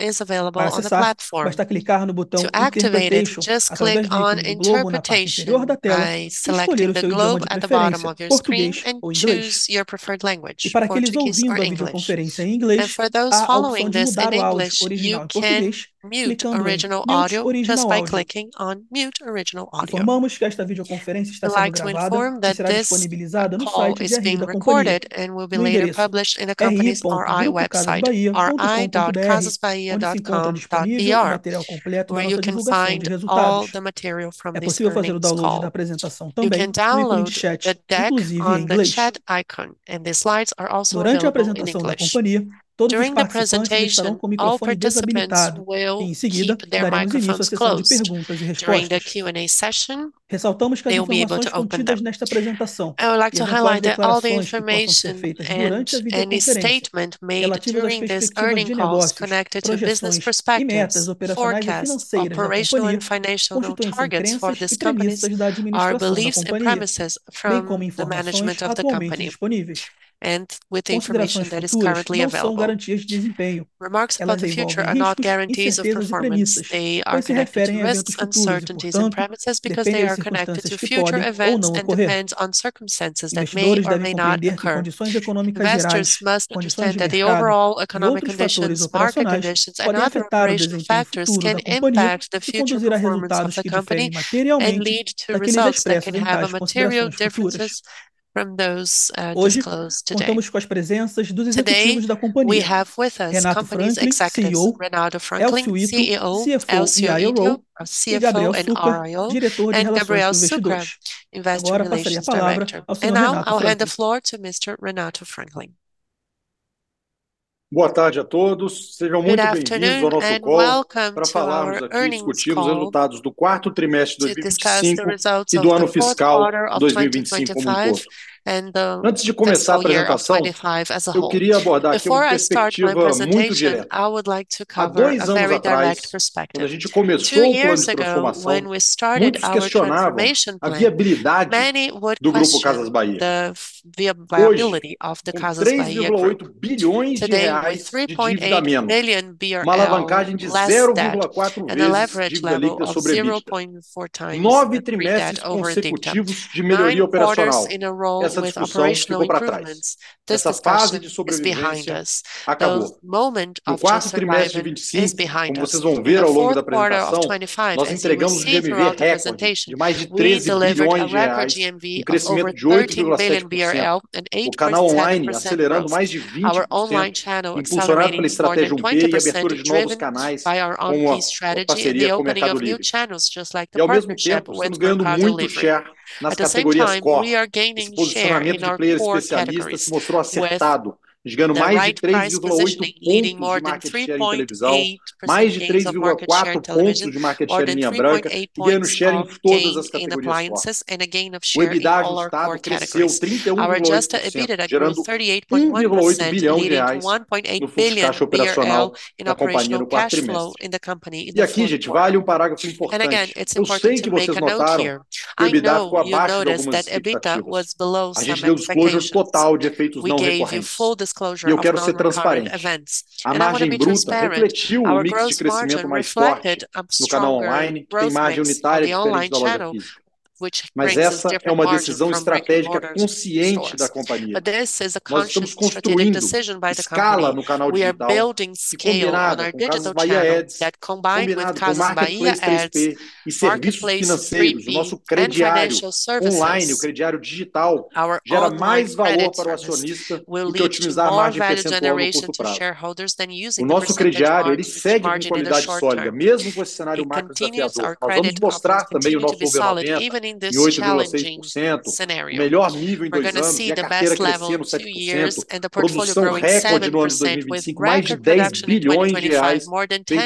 Is available on the platform. To activate it, just click on Interpretation by selecting the globe at the bottom of your screen and choose your preferred language, Portuguese or English. For those following this in English, you can mute original audio just by clicking on Mute Original Audio. I'd like to inform that this call is being recorded and will be later published in the company's RI website, ri.casasbahia.com.br, onde ficará disponível o material completo com a divulgação de resultados. É possível fazer o download da apresentação também, clicando em Chat, inclusive em inglês. Durante a apresentação da companhia, todos os participantes estarão com o microfone desabilitado e, em seguida, daremos início à sessão de perguntas e respostas. Ressaltamos que as informações contidas nesta apresentação e eventuais declarações que possam ser feitas durante a videoconferência relativas às perspectivas de negócios, projeções e metas operacionais e financeiras da companhia são puras inferências e previsões da administração da companhia, bem como informações atualmente disponíveis. Considerações futuras não são garantias de desempenho. Elas envolvem riscos, incertezas e premissas, pois se referem a eventos futuros e, portanto, dependem de circunstâncias que podem ou não ocorrer. Investidores devem compreender que as condições econômicas gerais, condições de mercado e outros fatores operacionais podem afetar o desempenho futuro da companhia e conduzir a resultados que diferem materialmente daqueles expressos em tais considerações futuras. Hoje contamos com as presenças dos executivos da companhia: Renato Franklin, CEO; Élcio Ito, CFO e IRO; e Gabriel Succar, diretor de Relações com Investidores. Agora passaria a palavra ao senhor Renato Franklin. Boa tarde a todos, sejam muito bem-vindos ao nosso call pra falarmos aqui e discutirmos os resultados do quarto trimestre de 2025 e do ano fiscal 2025 como um todo. Antes de começar a apresentação, eu queria abordar aqui uma perspectiva muito direta. Há dois anos atrás, quando a gente começou o plano de transformação, muitos questionavam a viabilidade do Grupo Casas Bahia. Hoje, com R$ 3.8 bilhões de dívida a menos, uma alavancagem de 0.4 vezes dívida líquida sobre EBITDA, nove trimestres consecutivos de melhoria operacional, essa discussão ficou pra trás. Essa fase de sobrevivência acabou. O quarto trimestre de 2025, como vocês vão ver ao longo da apresentação, nós entregamos um GMV recorde de mais de R$ 13 bilhões, um crescimento de 8.7%. O canal online acelerando mais de 20%, impulsionado pela estratégia omnichannel e abertura de novos canais, como a parceria com a Mercado Livre. Ao mesmo tempo, estamos ganhando muito share nas categorias core. Esse posicionamento de player especialista se mostrou acertado, ganhando mais de 3.8 pontos de market share em televisão, mais de 3.4 pontos de market share em linha branca e ganho de share em todas as categorias core. O EBITDA ajustado cresceu 31%, gerando BRL 1.8 bilhão no fluxo de caixa operacional da companhia no quarto trimestre. Aqui, gente, vale um parágrafo importante. Eu sei que vocês notaram que o EBITDA ficou abaixo de algumas expectativas. A gente deu disclosure total de efeitos não recorrentes e eu quero ser transparente. A margem bruta refletiu o mix de crescimento mais forte no canal online, que tem margem unitária diferente da loja física. Mas essa é uma decisão estratégica consciente da companhia. Nós estamos construindo escala no canal digital que combinado com Casas Bahia Ads, combinado com Marketplace 3P e serviços financeiros, o nosso crediário online, o crediário digital, gera mais valor para o acionista do que otimizar a margem percentual no curto prazo. O nosso crediário, ele segue com qualidade sólida, mesmo com esse cenário macro desafiador. Vamos mostrar também o nosso over 90 em 8.6%, o melhor nível em dois anos e a carteira crescendo 7%, produção recorde no ano de 2025, mais de BRL 10 bilhões feitos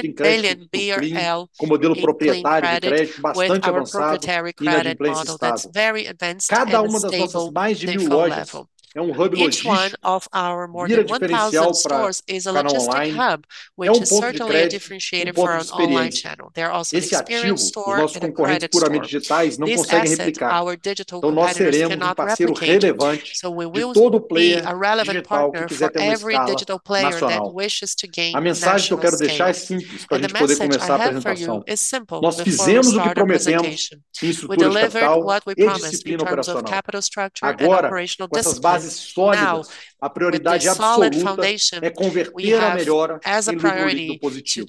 em crédito com o clean, com modelo proprietário de crédito bastante avançado e na simplicidade estabilizado. Cada uma das nossas mais de 1,000 lojas é um hub logístico, vira diferencial pra online, é um ponto de crédito e um ponto de experiência. Esse ativo, os nossos concorrentes puramente digitais não conseguem replicar. Nós seremos um parceiro relevante de todo player digital que quiser ter uma escala nacional. A mensagem que eu quero deixar é simples pra gente poder começar a apresentação. Nós fizemos o que prometemos em estrutura de capital e disciplina operacional. Agora, com essas bases sólidas, a prioridade absoluta é converter a melhora em um crescimento positivo.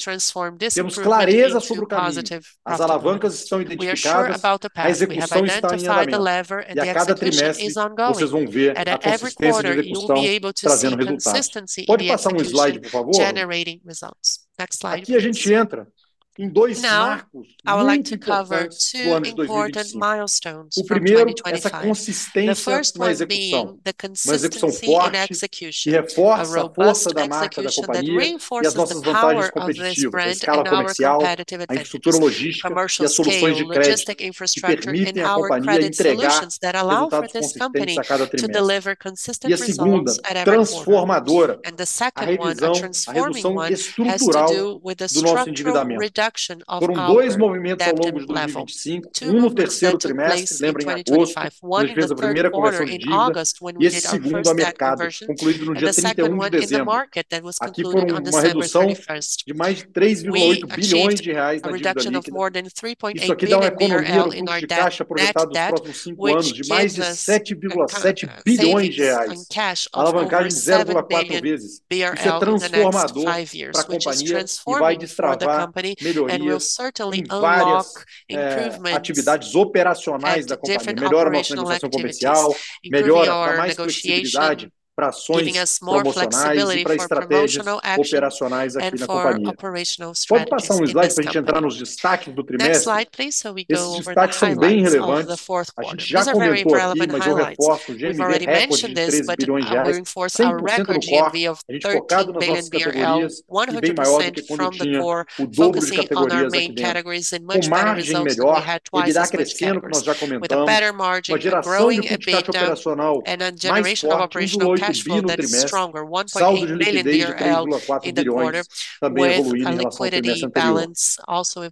Temos clareza sobre o caminho. As alavancas estão identificadas, a execução está em andamento. A cada trimestre, vocês vão ver a consistência de execução trazendo resultados. Pode passar um slide, por favor? Aqui a gente entra em dois marcos muito importantes pro ano de 2025. O primeiro, essa consistência na execução. Uma execução forte, que reforça a força da marca da companhia e as nossas vantagens competitivas, a escala comercial, a infraestrutura logística e as soluções de crédito que permitem à companhia entregar resultados consistentes a cada trimestre. A segunda, transformadora. A revisão, a revolução estrutural do nosso endividamento. Foram dois movimentos ao longo de 2025, um no terceiro trimestre, lembra em agosto, a gente fez a primeira conversão de dívida, e esse segundo no mercado, concluído no dia 31 de dezembro. Aqui foram uma redução de mais de R$ 3.8 bilhões na dívida líquida. Isso aqui dá uma economia no fluxo de caixa projetado nos próximos cinco anos de mais de R$ 7.7 bilhões. Alavancagem de 0.4x. Isso é transformador pra companhia e vai destravar melhorias em várias atividades operacionais da companhia, melhora a nossa negociação comercial, melhora pra mais flexibilidade pra ações promocionais e pra estratégias operacionais aqui na companhia. Pode passar um slide pra gente entrar nos destaques do trimestre? Esses destaques são bem relevantes. A gente já comentou aqui, mas eu reforço, GMV recorde de R$ 13 bilhões, 100% do core. A gente focado nas nossas categorias é bem maior do que quando eu tinha o dobro de categorias aqui dentro. A margem melhor, ela irá crescendo, como nós já comentamos. Uma geração de fluxo de caixa operacional mais forte, BRL 1.8 bilhão no trimestre. Saldo de liquidez de BRL 3.4 bilhões também evoluiu em relação ao trimestre anterior.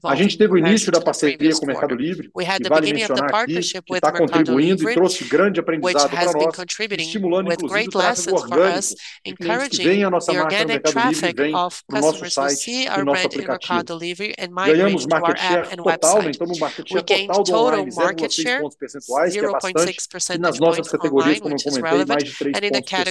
A gente teve o início da parceria com o Mercado Livre, que vale mencionar aqui, que tá contribuindo e trouxe grande aprendizado pra nós, estimulando inclusive o tráfego orgânico de clientes que vêm à nossa marca no Mercado Livre e vêm pros nossos sites e nossa aplicativo. Ganhamos market share total, market share total do online 0.6 pontos percentuais, que é bastante, e nas nossas categorias, como eu comentei, mais de 3 pontos percentuais.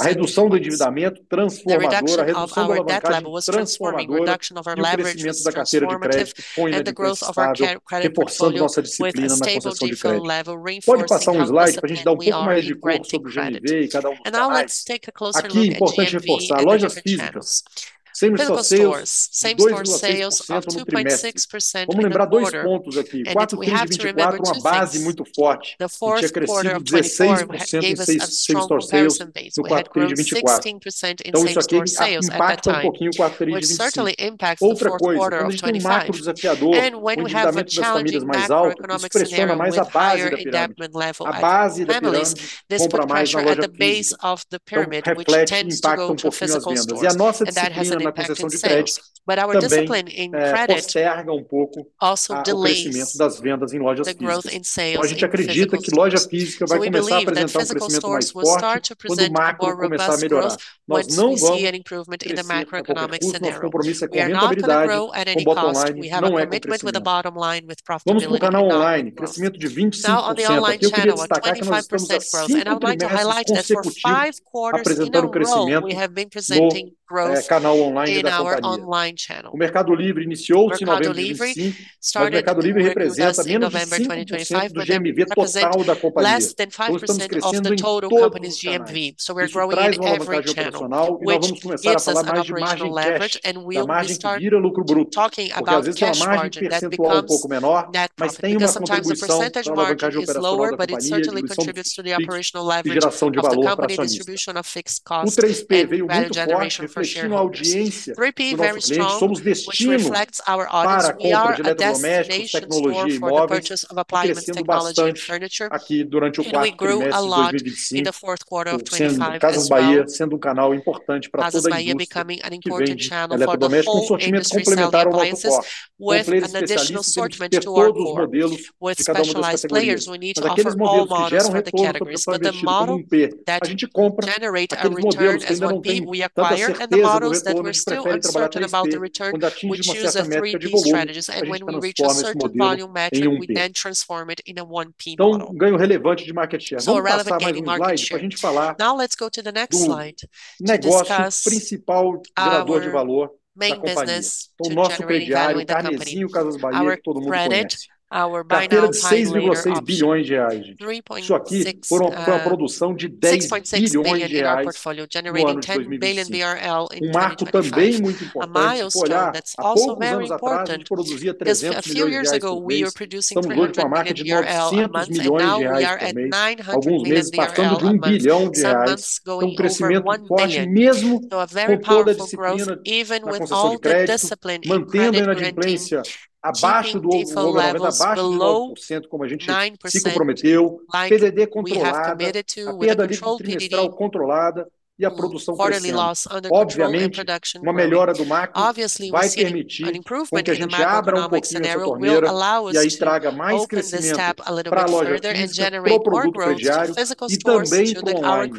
A redução do endividamento transformadora, a redução do alavancagem transformadora e o crescimento da carteira de crédito com nível de default estável, reforçando nossa disciplina na concessão de crédito. Pode passar um slide pra gente dar um pouquinho mais de cor sobre o GMV e cada uma das canais. Aqui, importante reforçar, lojas físicas. Same-store sales de 2.6% no trimestre. Vamos lembrar 2 pontos aqui. 4T2024 uma base muito forte, a gente crescia 16% same-store sales no 4T2024. Isso aqui impacta um pouquinho o 4T2025. Outra coisa, quando a gente tem um macro desafiador, o endividamento das famílias mais alto, isso pressiona mais a base da pirâmide. A base da pirâmide compra mais na loja física. Reflete e impacta um pouquinho as vendas. A nossa disciplina na concessão de crédito também posterga um pouco o crescimento das vendas em lojas físicas. A gente acredita que loja física vai começar a apresentar um crescimento mais forte quando o macro começar a melhorar. Nós não vamos crescer a qualquer custo, nosso compromisso é com rentabilidade no bottom line, não é com crescimento. Vamos pro canal online, crescimento de 25%. Aqui eu queria destacar que nós estamos há 5 trimestres consecutivos apresentando crescimento no canal online da companhia. O Mercado Livre iniciou-se em novembro de 2025, mas o Mercado Livre representa menos de 5% do GMV total da companhia. Hoje estamos crescendo em todos os canais. Isso traz uma alavancagem operacional e nós vamos começar a falar mais de margem cash, da margem que vira lucro bruto, porque às vezes uma margem percentual um pouco menor, mas tem uma contribuição pra uma alavancagem operacional da companhia, distribuição de fixo e mundo conhece. Carteira de 6.6 bilhões reais, gente. Isso aqui foi uma produção de 10 bilhões reais no ano de 2025. Um marco também muito importante, se olhar há poucos anos atrás, a gente produzia 300 milhões reais por mês, estamos hoje numa marca de 900 milhões reais por mês, alguns meses passando de 1 bilhão reais. Um crescimento forte mesmo com toda a disciplina na concessão de crédito, mantendo a inadimplência abaixo do nível abaixo de 9%, como a gente se comprometeu, PDD controlado, a perda líquida trimestral controlada e a produção crescendo. Obviamente, uma melhora do macro vai permitir com que a gente abra um pouquinho essa torneira e aí traga mais crescimento pra loja física, pro produto crediário e também pro online.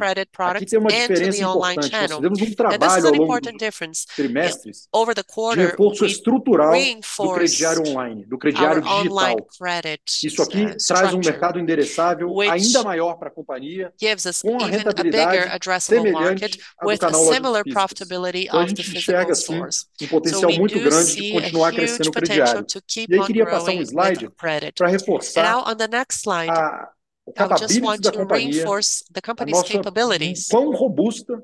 Aqui tem uma diferença importante, nós fizemos um trabalho ao longo dos trimestres de reforço estrutural do crediário online, do crediário digital. Isso aqui traz um mercado endereçável ainda maior pra companhia, com uma rentabilidade semelhante ao do canal lojas físicas. A gente enxerga sim um potencial muito grande de continuar crescendo o crediário. Aí queria passar um slide pra reforçar o capabilities da companhia, o quão robusta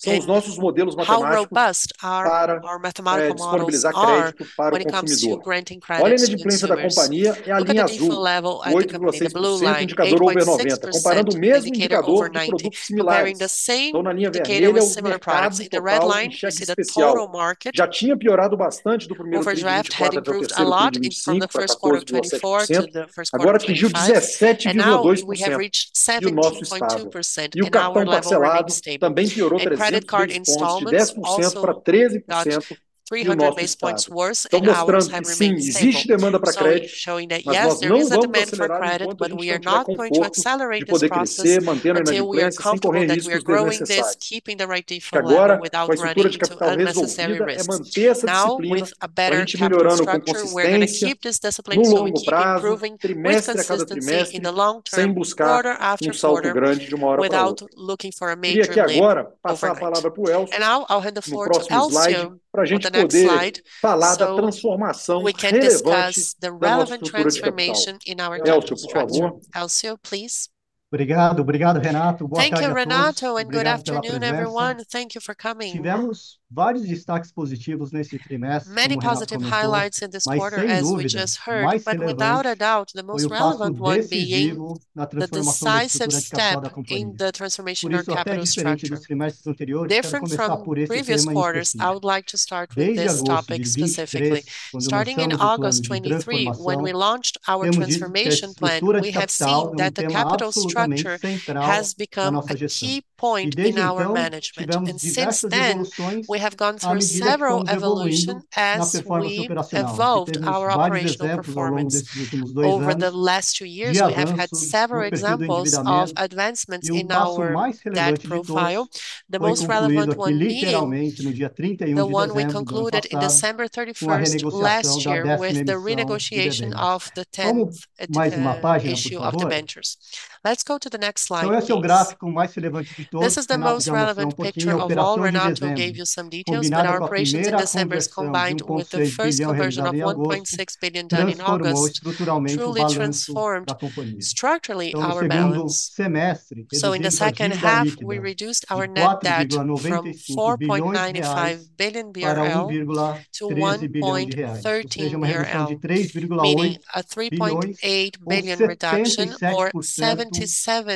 são os nossos modelos matemáticos para disponibilizar crédito para o consumidor. Olha a inadimplência da companhia é a linha azul, 8.6%, indicador over 90, comparando o mesmo indicador de produtos similares. Na linha vermelha, eu uso um mercado total de cheque especial. Já tinha piorado bastante do primeiro trimestre de 2024 até o terceiro trimestre de 2025, pra 14.7%. Agora atingiu 17.2% e o nosso estável. O cartão parcelado também piorou 3 pontos, de 10% para 13% e o nosso estável. Mostrando que sim, existe demanda pra crédito, mas nós não vamos acelerar enquanto a gente não tiver conforto de poder crescer mantendo a inadimplência sem correr riscos desnecessários. Que agora, com a estrutura de capital resolvida, é manter essa disciplina, pra gente ir melhorando com consistência no longo prazo, trimestre a cada trimestre, sem buscar um salto grande de uma hora pra outra. Aqui agora, passar a palavra pro Élcio no próximo slide, Esse é o gráfico mais relevante de todos. Renato já mostrou um pouquinho, a operação de dezembro, combinada com a primeira conversão de BRL 1.6 bilhão realizado em agosto, transformou estruturalmente o balanço da companhia. No segundo semestre, reduzimos a dívida líquida de BRL 4.95 bilhões de reais para BRL 1.13 bilhão de reais, ou seja, uma redução de BRL 3.8 bilhões ou 77%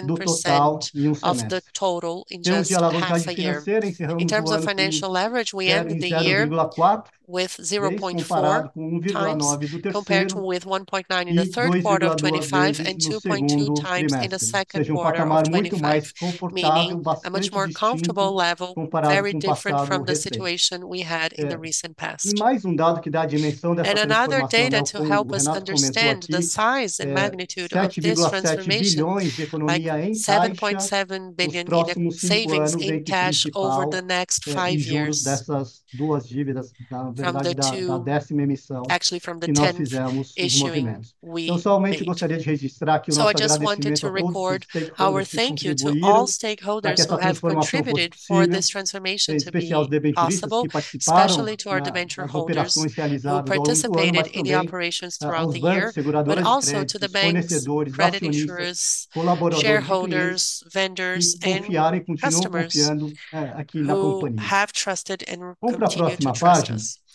do total em just past a year. Em termos de alavancagem financeira, encerramos o ano em 0.4 vezes, comparado com 1.9 do terceiro e 2.2 vezes no segundo trimestre. Um patamar muito mais confortável, bastante distinto comparado com o passado recente. Mais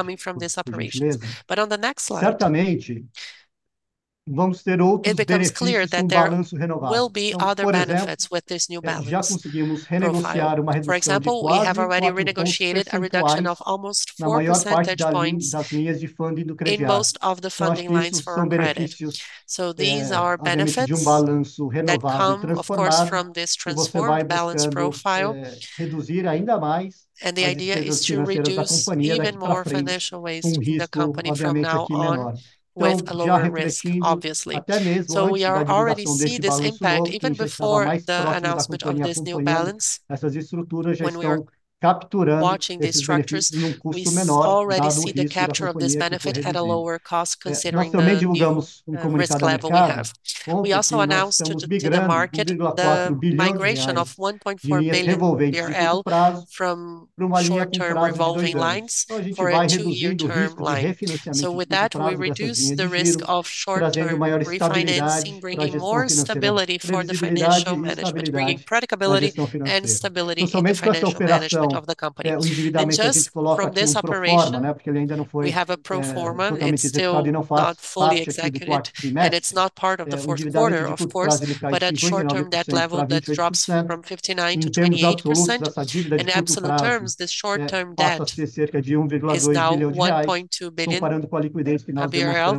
próximos 5 anos, esses são os impactos diretos dessas operações. Por 1 e 2 slides, por gentileza. Certamente, vamos ter outros benefícios com o balanço renovado. Por exemplo, já conseguimos renegociar uma redução de quase 4 pontos percentuais na maior parte das linhas de funding do crediário. Acho que isso são benefícios de um balanço renovado e transformado, que você vai buscando, reduzir ainda mais as despesas financeiras da companhia daqui pra frente, com risco obviamente aqui menor. Já refletindo até mesmo antes da divulgação desse balanço novo, que a gente está mais forte e a companhia confiando, essas estruturas já estão capturando esses benefícios num custo menor, dado o risco da companhia atualmente. Nós também divulgamos, como comentei lá no início, ontem nós temos o big bank de BRL 1.4 billion de linhas revolventes de curto prazo pra uma linha a longo prazo de 2 anos. A gente vai reduzindo o risco ao refinanciamento de curto prazo das linhas de giro, trazendo maior estabilidade pra gestão financeira, previsibilidade e estabilidade pra gestão financeira. Somente com essa operação, o endividamento que a gente coloca aqui no pro forma, né, porque ele ainda não foi totalmente executado e não faz parte aqui do quarto trimestre. O endividamento de curto prazo de 59% pra 28%. Em termos absolutos, essa dívida de curto prazo passa a ser cerca de BRL 1.2 billion,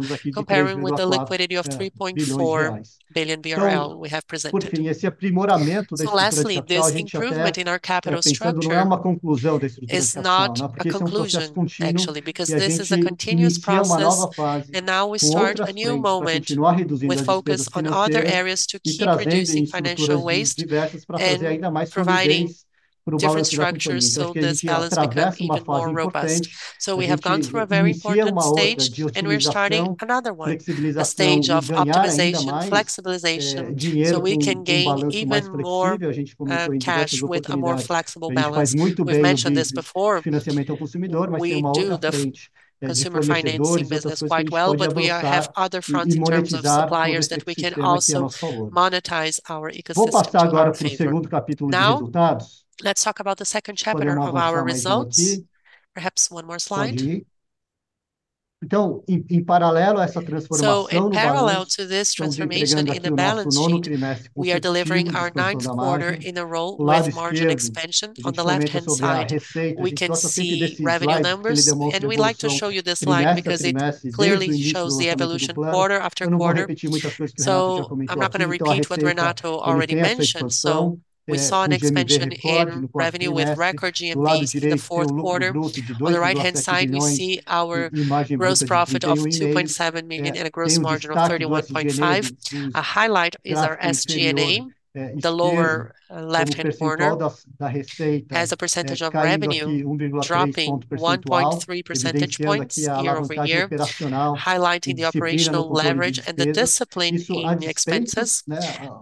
comparando com a liquidez que nós temos aqui de BRL 3.4 billion. Por fim, esse aprimoramento da estrutura de capital, a gente até pensando não é uma conclusão desse processo. Porque isso é um processo contínuo e a gente inicia uma nova fase, com outros fronts pra continuar reduzindo as despesas financeiras e trazendo estruturas diversas pra fazer ainda mais prudente, different structures. This balance became even more robust. We have gone through a very important stage, and we're starting another one, a stage of optimization, flexibilization, so we can gain even more cash with a more flexible balance. We've mentioned this before. We do the consumer financing business quite well, but we have other fronts in terms of suppliers that we can also monetize our ecosystem in our favor. Now, let's talk about the second chapter of our results. Perhaps one more slide. In parallel to this transformation in the balance sheet, we are delivering our ninth quarter in a row with margin expansion. On the left-hand side, we can see revenue numbers, and we like to show you this slide because it clearly shows the evolution quarter after quarter. I'm not gonna repeat what Renato already mentioned. We saw an expansion in revenue with record GMV in the Q4. On the left-hand side, we see our gross profit of 2.7 million and a gross margin of 31.5%. A highlight is our SG&A, the lower left-hand corner. As a percentage of revenue, dropping 1.3 percentage points year-over-year, highlighting the operational leverage and the discipline in expenses.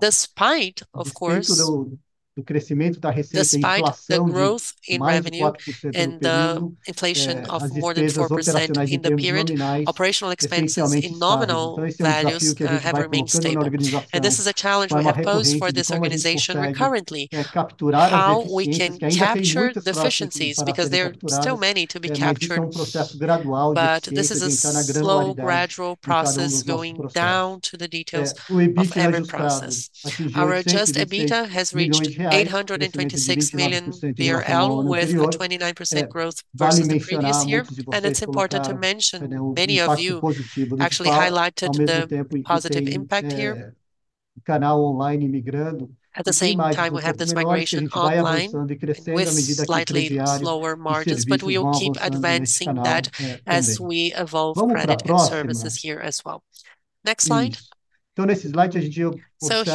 Despite, of course, the growth in revenue and the inflation of more than 4% in the period, operational expenses in nominal values have remained stable. This is a challenge we have posed for this organization currently, how we can capture the efficiencies because there are still many to be captured. This is a slow, gradual process going down to the details of every process. Our adjusted EBITDA has reached 866 million BRL, with a 29% growth versus the previous year. It's important to mention many of you actually highlighted the positive impact here. At the same time, we have this migration online with slightly slower margins. We will keep advancing that as we evolve credit and services here as well. Next slide.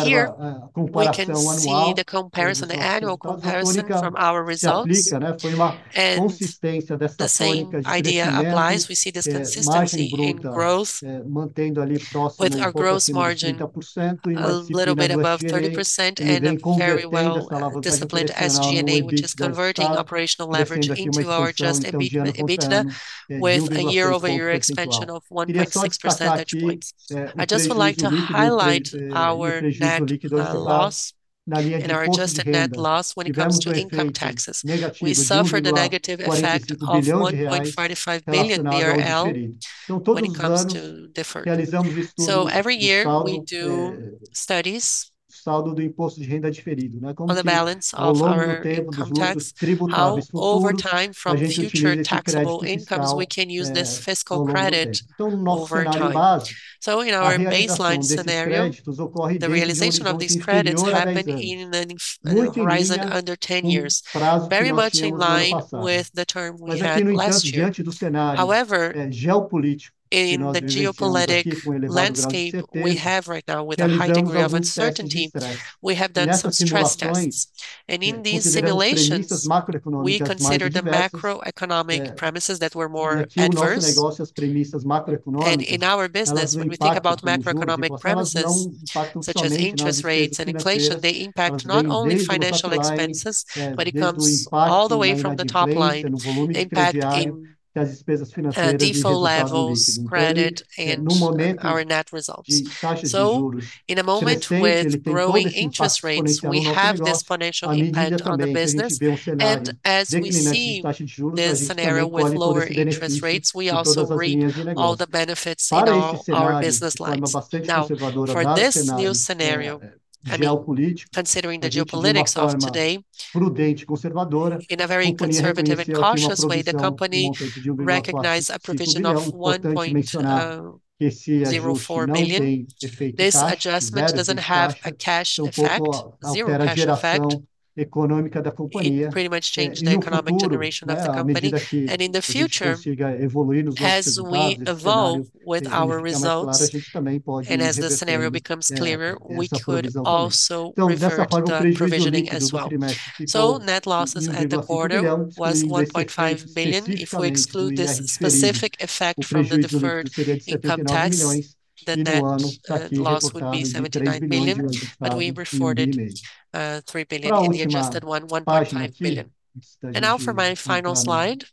Here we can see the comparison, the annual comparison from our results. The same idea applies. We see this consistency in growth, with our gross margin a little bit above 30% and a very well-disciplined SG&A, which is converting operational leverage into our adjusted EBITDA with a year-over-year expansion of 1.6 percentage points. I just would like to highlight our net loss and our adjusted net loss when it comes to income taxes. We suffered a negative effect of 1.45 billion BRL when it comes to deferred. Every year we do studies on the balance of our contacts. Over time from future taxable incomes, we can use this fiscal credit over time. In our baseline scenario, the realization of these credits happen in the horizon under 10 years, very much in line with the term we had last year. However, in the geopolitical landscape we have right now with a high degree of uncertainty, we have done some stress tests. In these simulations, we consider the macroeconomic premises that were more adverse. In our business, when we think about macroeconomic premises such as interest rates and inflation, they impact not only financial expenses, but it comes all the way from the top line impact in default levels, credit, and our net results. In a moment with growing interest rates, we have this financial impact on the business. As we see the scenario with lower interest rates, we also reap all the benefits in all our business lines. Now, for this new scenario, considering the geopolitics of today, in a very conservative and cautious way, the company recognized a provision of 1.04 billion. This adjustment doesn't have a cash effect, zero cash effect. It pretty much changed the economic generation of the company. In the future, as we evolve with our results and as the scenario becomes clearer, we could also revert the provisioning as well. Net losses at the quarter was 1.5 billion. If we exclude this specific effect from the deferred income tax, the net loss would be 79 million, but we reported 3 billion in the adjusted one, 1.5 billion. Now for my final slide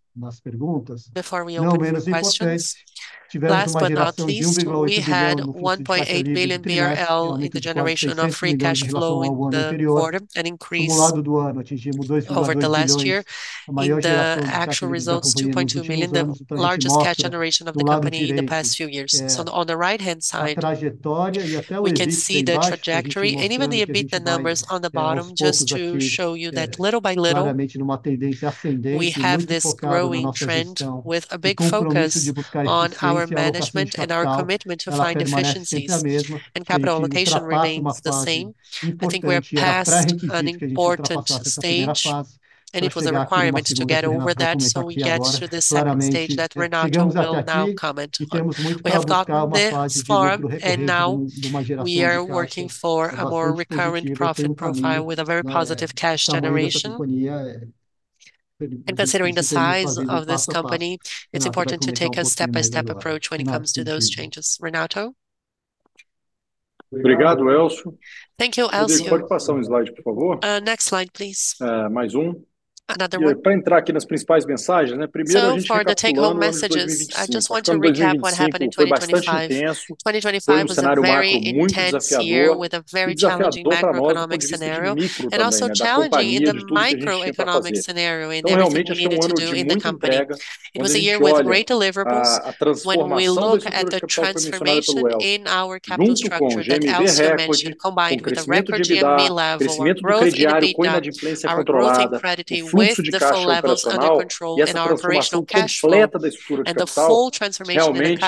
before we open it to questions. Last but not least, we had 1.8 billion BRL in the generation of free cash flow in the quarter, an increase over the last year. In the actual results, 2.2 billion, the largest cash generation of the company in the past few years. On the right-hand side, we can see the trajectory and even the EBITDA numbers on the bottom just to show you that little by little, we have this growing trend with a big focus on our management and our commitment to find efficiencies. Capital allocation remains the same. I think we are past an important stage, and it was a requirement to get over that. We get to the second stage that Renato will now comment on. We have gotten this far, and now we are working for a more recurrent profit profile with a very positive cash generation. Considering the size of this company, it's important to take a step-by-step approach when it comes to those changes. Renato? Obrigado, Élcio. Thank you, Élcio. Pode passar um slide, por favor? Next slide, please. Mais um. Another one. Pra entrar aqui nas principais mensagens, né, primeiro a gente recapitulando o ano de 2025. O ano de 2025 foi bastante intenso, foi um cenário macro muito desafiador e desafiador pra nós do ponto de vista de micro também, né, da companhia e de tudo que a gente tinha pra fazer. Realmente acho que é um ano de muita entrega, quando a gente olha a transformação da estrutura de capital que foi mencionada pelo Élcio, junto com GMV recorde, crescimento de EBITDA, crescimento do crediário com a inadimplência controlada, o fluxo de caixa operacional e essa transformação completa da estrutura de capital, realmente é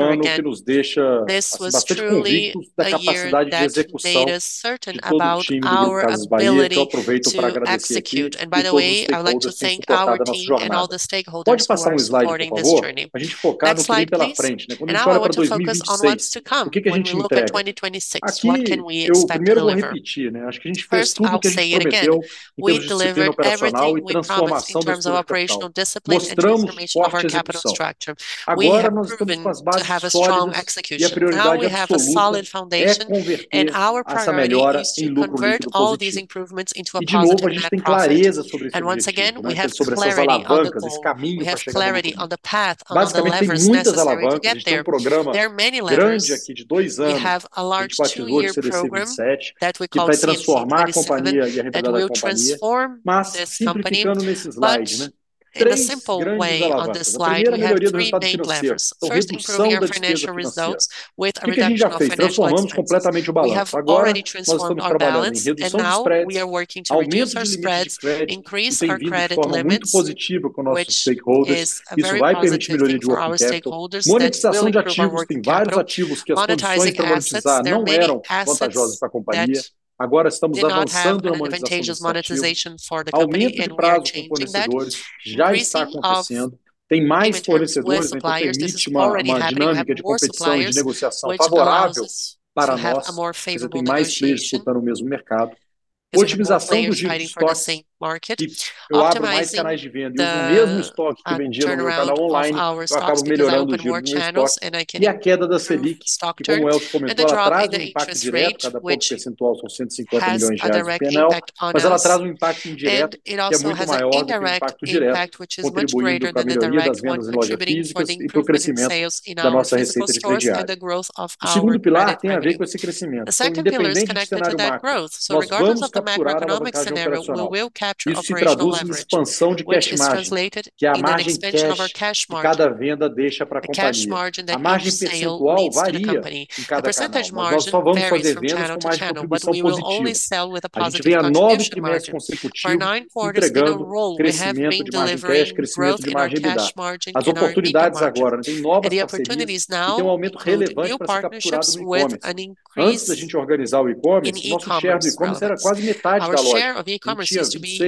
um ano que nos deixa assim bastante convictos da capacidade de execução de todo o time do Banco Pan. Eu aproveito pra agradecer aqui todos os stakeholders que têm suportado a nossa jornada. Pode passar um slide, por favor? A gente focar no que vem pela frente, né. Quando a gente olha pra 2026, o que que a gente entrega? Aqui eu primeiro vou repetir, né, acho que a gente fez tudo que a gente prometeu em termos de disciplina operacional e transformação da estrutura de capital. Mostramos forte execução. Agora nós estamos com as bases sólidas e a prioridade absoluta é converter essa melhora em lucro líquido positivo. De novo, a gente tem clareza sobre esse objetivo, né, que é sobre essas alavancas, esse caminho pra chegar até ele. Basicamente tem muitas alavancas. A gente tem um programa grande aqui de 2 anos, que a gente batizou de CBC 27, que vai transformar essa companhia e a rede de valor da companhia, mas simplificando nesses slides, né, 3 grandes alavancas. Primeira, melhoria do resultado financeiro ou redução da despesa financeira. O que que a gente já fez? Transformamos completamente o balanço. Agora nós estamos trabalhando em redução de spreads, aumento de limites de crédito, que tem sido de forma muito positiva com nossos stakeholders. Isso vai permitir melhoria de working capital. Monetização de ativos. Tem vários ativos que as condições pra monetizar não eram vantajosas pra companhia. Agora estamos avançando na monetização desses ativos, aumento de prazo com fornecedores já está acontecendo. Tem mais fornecedores, a gente permite uma dinâmica de competição, de negociação favorável para nós, porque você tem mais players lutando no mesmo mercado. Otimização do giro de estoque, que eu abro mais canais de venda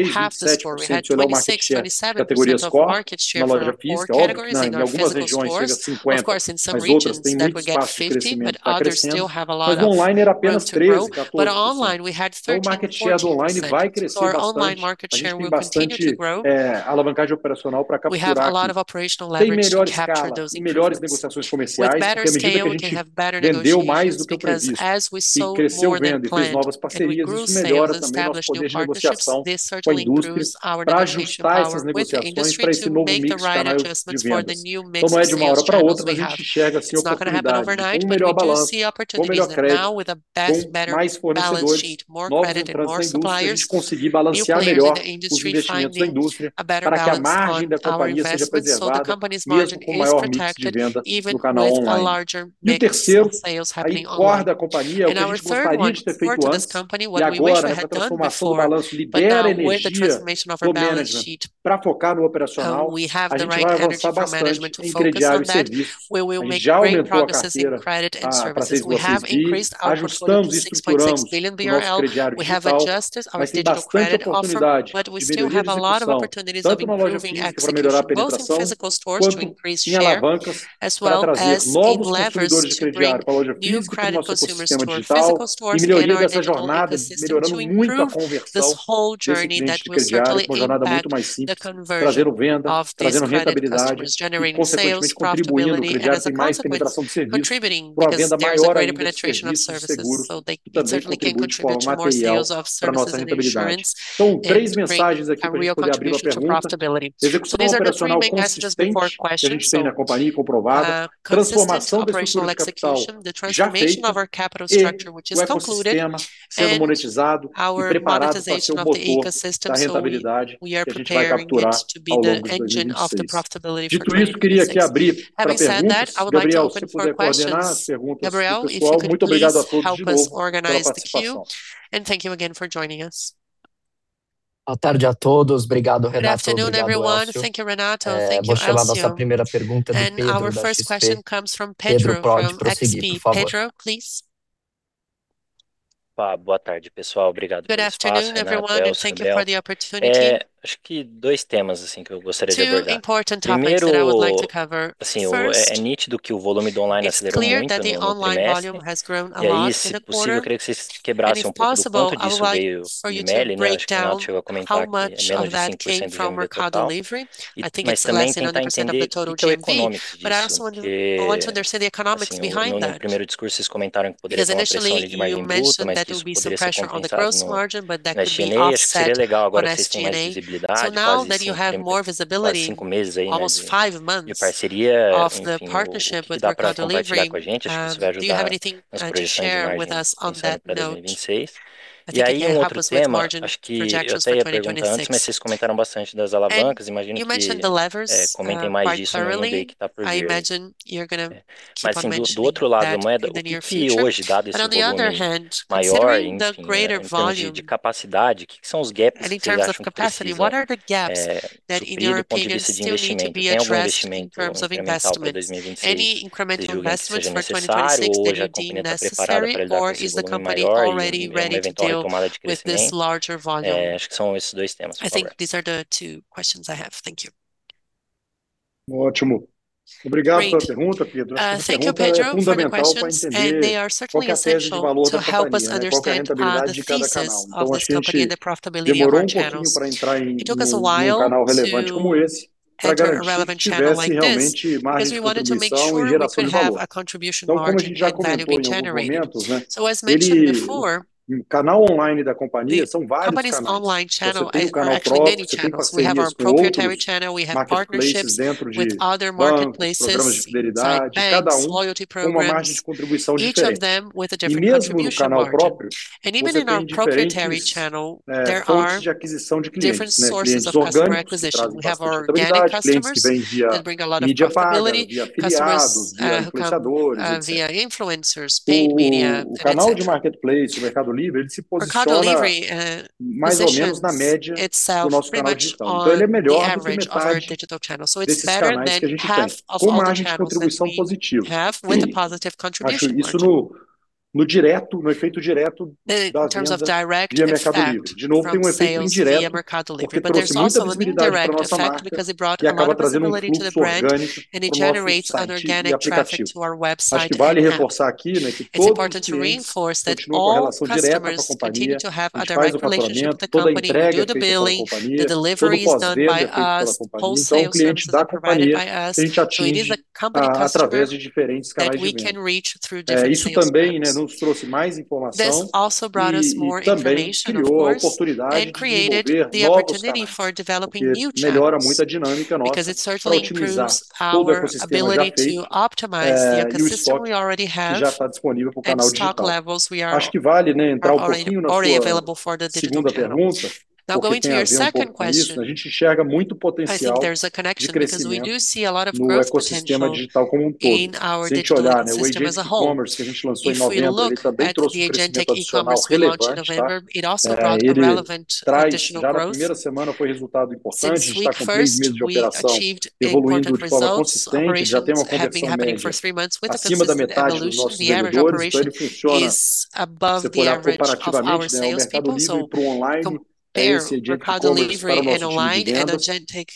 6-7%, se olhar o market share. Categoria score, em loja física, óbvio, né, em algumas regiões chega a 50, mas outras têm muito espaço de crescimento pra crescer ainda. Online era apenas 13%-14%. O market share do online vai crescer bastante. A gente tem bastante alavancagem operacional pra capturar aqui, ter melhor escala e melhores negociações comerciais, que é o mesmo efeito que a gente vendeu mais do que o previsto. Cresceu venda, fez novas parcerias, isso melhora também nosso poder de negociação com a indústria pra ajustar essas negociações pra esse novo mix de canais de vendas. Como é de uma hora pra outra, a gente enxerga sim oportunidades com um melhor balanço, com melhor crédito, com mais fornecedores, novos entrantes na indústria, a gente conseguir balancear melhor os investimentos da indústria para que a margem da companhia seja preservada, mesmo com maior mix de venda no canal online. O terceiro, a encorajada da companhia, o que a gente gostaria de ter feito antes, e agora essa transformação do balanço libera energia pra management pra focar no operacional. A gente vai avançar bastante em crediário e serviços. A gente já aumentou a carteira pra BRL 6.6 billion. Ajustamos e estruturamos o nosso crediário digital, mas tem bastante oportunidade de melhoria de execução, tanto em lojas físicas pra melhorar a conversão, quanto em alavancas pra trazer novos consumidores de crediário pra loja física e nosso ecossistema digital, e melhoria dessa jornada, melhorando muito a conversão desses clientes de crediários pra uma jornada muito mais simples, trazendo venda, trazendo rentabilidade e consequentemente contribuindo. O crediário tem mais penetração de serviços, pra uma venda maior ainda de serviços e seguros, que também contribuem de forma material pra nossa rentabilidade. São três mensagens aqui pra poder abrir pra pergunta: execução operacional consistente que a gente tem na companhia e comprovada, transformação da estrutura de capital já feita e o ecossistema sendo monetizado e preparado pra ser o motor da rentabilidade que a gente vai capturar ao longo de 2026. Dito isso, queria aqui abrir pra perguntas. Gabriel Succar, se puder coordenar as perguntas do pessoal. Muito obrigado a todos de novo pela participação. Boa tarde a todos. Obrigado, Renato. Obrigado, Élcio. Vou chamar nossa primeira pergunta, do Pedro, da XP. Pedro, pode prosseguir, por favor. Boa tarde, pessoal, obrigado pelo espaço, Renato, Bel, Samuel. Acho que dois temas assim que eu gostaria de abordar. Primeiro, assim, é nítido que o volume do online acelerou muito no trimestre. crescimento? Acho que são esses dois temas pra agora. Ótimo. Obrigado pela pergunta, Pedro. Essa pergunta é fundamental pra entender qual que é a tese de valor da companhia, né, qual que é a rentabilidade de cada canal. Acho que a gente demorou um pouquinho pra entrar em um canal relevante como esse pra garantir que tivesse realmente margem de contribuição e geração de valor. Como a gente já comentou em alguns momentos, né, o canal online da companhia são vários canais, já. Você tem o canal próprio, você tem parcerias com outros marketplaces dentro de bancos, programas de fidelidade, cada um com uma margem de contribuição diferente. E mesmo no canal próprio, você tem diferentes fontes de aquisição de clientes, né, clientes orgânicos, que trazem bastante fidelidade, clientes que vêm via mídia paga, via afiliados, via influenciadores, etc. O canal de marketplace do Mercado Livre, ele se posiciona mais ou menos na média do nosso canal digital. Então ele é melhor do que metade desses canais que a gente tem, com uma margem de contribuição positiva. Acho isso no direto, no efeito direto das vendas via Mercado Livre. De novo, tem um efeito indireto, porque trouxe muita visibilidade pra nossa marca, que acaba trazendo fluxo orgânico pro nosso site e aplicativo. Acho que vale reforçar aqui, né, que todos os clientes continuam com relação direta com a companhia, a gente faz o faturamento, toda a entrega é feita pela companhia, todo o pós-venda é feito pela companhia, então o cliente da companhia que a gente atinge através de diferentes canais de venda. Isso também nos trouxe mais informação e também criou a oportunidade de desenvolver novos canais, porque melhora muito a dinâmica nossa pra otimizar todo o ecossistema já feito, e o estoque que já tá disponível pro canal digital. Acho que vale entrar um pouquinho na sua segunda pergunta, porque tem a ver um pouco com isso, a gente enxerga muito potencial de crescimento no ecossistema digital como um todo. Se a gente olhar o agent e-commerce que a gente lançou em novembro, ele também trouxe crescimento adicional relevante. Já na primeira semana foi resultado importante, a gente tá com 3 meses de operação, evoluindo de forma consistente, já tem uma conversão média acima da metade dos nossos vendedores, então ele funciona, comparativamente o Mercado Livre pro online é esse agent e-commerce pra nosso time de vendas.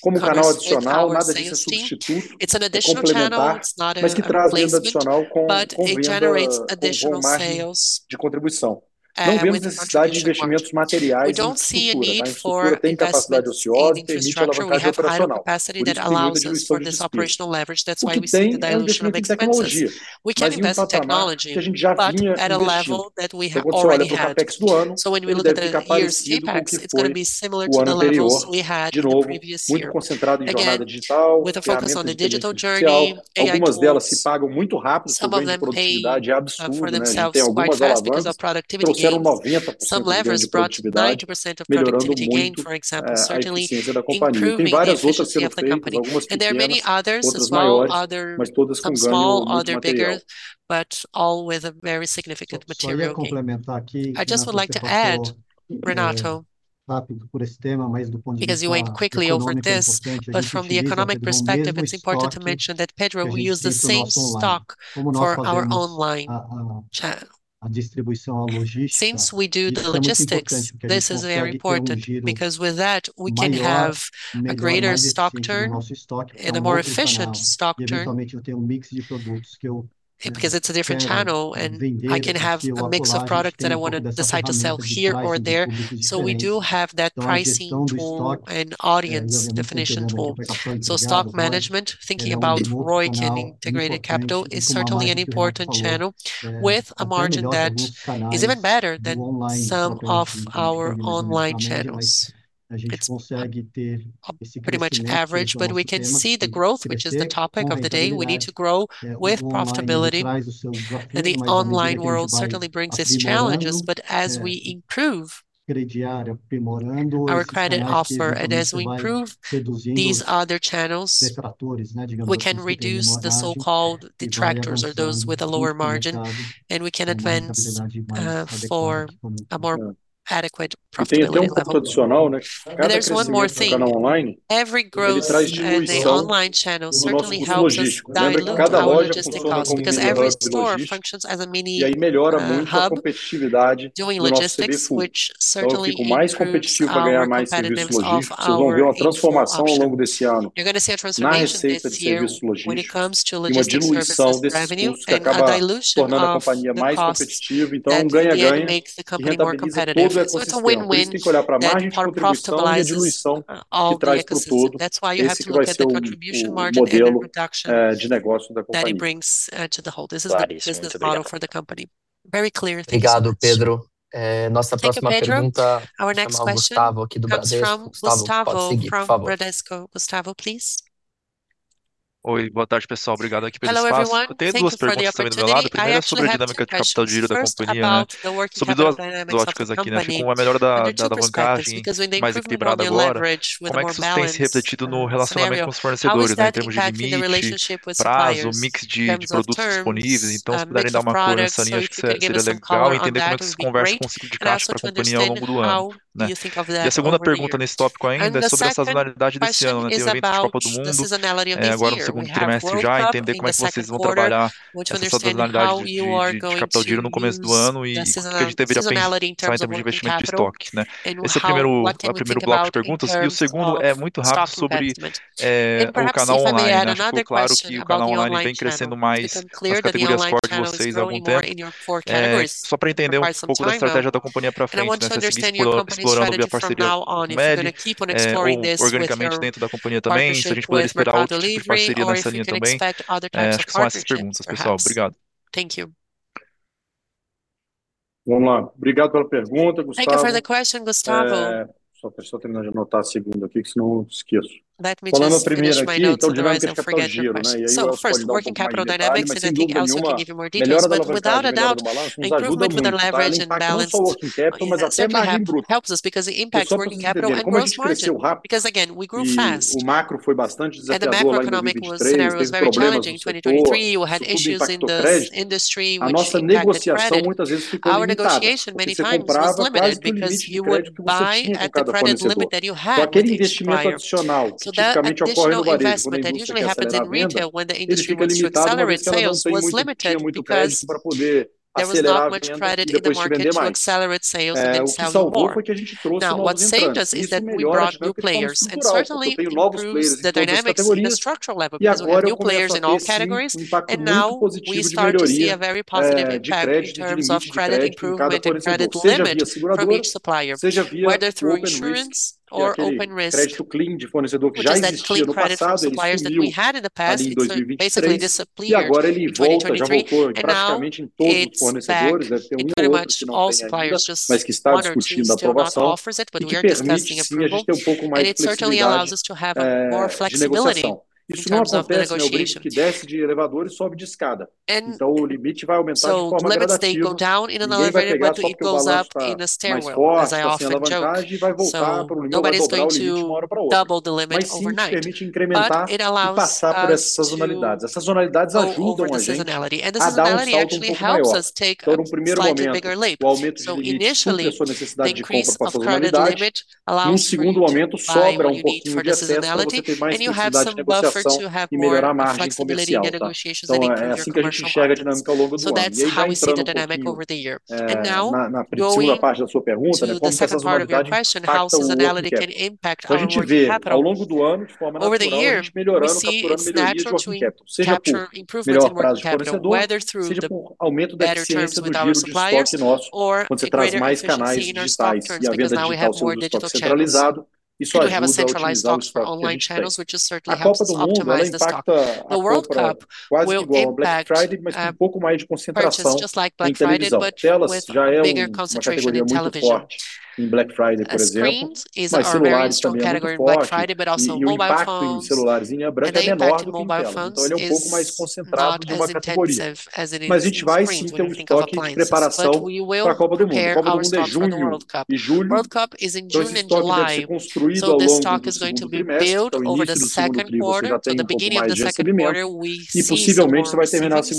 Como canal adicional, nada disso é substituto, é complementar, mas que traz venda adicional com renda, com boa margem de contribuição. Não vemos necessidade de investimentos materiais em estrutura. A infraestrutura tem capacidade ociosa e permite alavancagem operacional, por isso que tem uma diluição de despesas. O que tem é um investimento em tecnologia, mas em um patamar que a gente já vinha investindo. Se eu considerar o total de CapEx do ano, ele deve ficar parecido com o que foi o ano anterior. De novo, muito concentrado em jornada digital, ferramentas de inteligência artificial. Algumas delas se pagam muito rápido também, a produtividade é absurda, né, a gente tem algumas alavancas que trouxeram 90% de ganho de produtividade, melhorando muito, a eficiência da companhia. Tem várias outras sendo feitas, algumas pequenas, outras maiores, mas todas com ganho muito material. Só ia complementar aqui, Renato, que passou rápido por esse tema, mas do ponto de vista econômica é importante a gente dizer que o mesmo estoque que a gente usa no nosso online, como nós fazemos a distribuição, a logística, isso também é importante, porque a gente consegue ter um giro maior e melhor, mais eficiente do nosso estoque pra outros canais. Eventualmente eu tenho um mix de produtos que eu tenho a venda e que eu acho que ela acolá tem um determinado preço de venda. Então a gente tem um restock durante o dia, durante a noite, a gente faz um reabastecimento. Então o stock management, thinking about ROI and integrated capital is certainly an important channel with a margin that is even better than some of our online channels. It's pretty much average, but we can see the growth, which is the topic of the day. We need to grow with profitability. The online world certainly brings its challenges, but as we improve our credit offer, and as we improve these other channels, we can reduce the so-called detractors or those with a lower margin, and we can advance for a more adequate profitability level. There's one more thing. Every growth in the online channel certainly helps us dilute our logistics costs, because every store functions as a mini hub doing logistics, which certainly improves our competitiveness of our e-store option. You're gonna see a transformation this year when it comes to logistics services revenue, and a dilution of the costs that again make the company more competitive. It's a win-win that profitabilizes all the ecosystem. That's why you have to look at the contribution margin and the reductions that it brings to the whole. This is the model for the company. Very clear. Thanks so much. Thank you, Pedro. Our next question comes from Gustavo from Bradesco. Gustavo, please. Hello, everyone. Thank you for the question. First, I have 2 questions. First, about the working capital dynamics of the company, under 2 perspectives, because when the improvement in the leverage with a more balanced scenario, how is that impacting the relationship with suppliers in terms of terms, mix of products? So if you could give us a color on that would be great. And also to understand how you think of that over the years. And the second question about the seasonality of this year. We have World Cup in the Q2. Would you understand how you are going to use the seasonality in terms of working capital and what can we think about in terms of stock investment? And perhaps if I may add another question about the online channel. It's become clear that the online channel is growing more in your 4 categories for quite some time now. I want to understand your company's strategy from now on. If you're gonna keep on exploring this with your partnership with Mercado Livre, or if we can expect other types of partnerships, perhaps? Thank you. Thank you for the question, Gustavo. Let me just finish my notes otherwise I'll forget your question. Of course, working capital dynamics and I think also we can give you more details, but without a doubt, the improvement with the leverage and balance sheet that we have helps us because it impacts working capital and gross margin. Because again, we grew fast and the macroeconomic scenario was very challenging in 2023. We had issues in the industry which impacted credit. Our negotiation many times was limited because you would buy at the credit limit that you had with each supplier. That additional investment that usually happens in retail when the industry needs to accelerate sales was limited because there was not much credit in the market to accelerate sales and then sell more. What saved us is that we brought new players and certainly it improves the dynamics in a structural level because with new players in all categories, and now we start to see a very positive impact in terms of credit improvement and credit limit from each supplier, whether through insurance or open risk, which is that clean credit with suppliers that we had in the past. It's basically disappeared in 2023, and now it's back. It's pretty much all suppliers, just one or 2 still have not offered it, but we are discussing approval, and it certainly allows us to have more flexibility in terms of negotiations. The limits, they go down in an elevator, but it goes up in a stairwell, as I often joke. Nobody's going to double the limit overnight, but it allows to go over the seasonality. The seasonality actually helps us take a slightly bigger leap. Initially, the increase of credit limit allows you to buy what you need for the seasonality, and you have some buffer to have more flexibility in the negotiations and improve your commercial margins. That's how we see the dynamic over the year. Now going to the second part of your question, how seasonality can impact our working capital. Over the year, we see it's natural to capture improvements in working capital, whether through the better terms with our suppliers or greater efficiency in our stock turns because now we have more digital channels, and we have a centralized stock for online channels, which just certainly helps us optimize the stock. The World Cup will impact purchase just like Black Friday, but with a bigger concentration in television. Screens is our very strong category in Black Friday, but also mobile phones. The impact in mobile phones is not as intensive as it is in screens when you think of appliances. We will prepare our stock for the World Cup. World Cup is in June and July, so this stock is going to be built over the Q2. The beginning of the Q2, we see some more investments,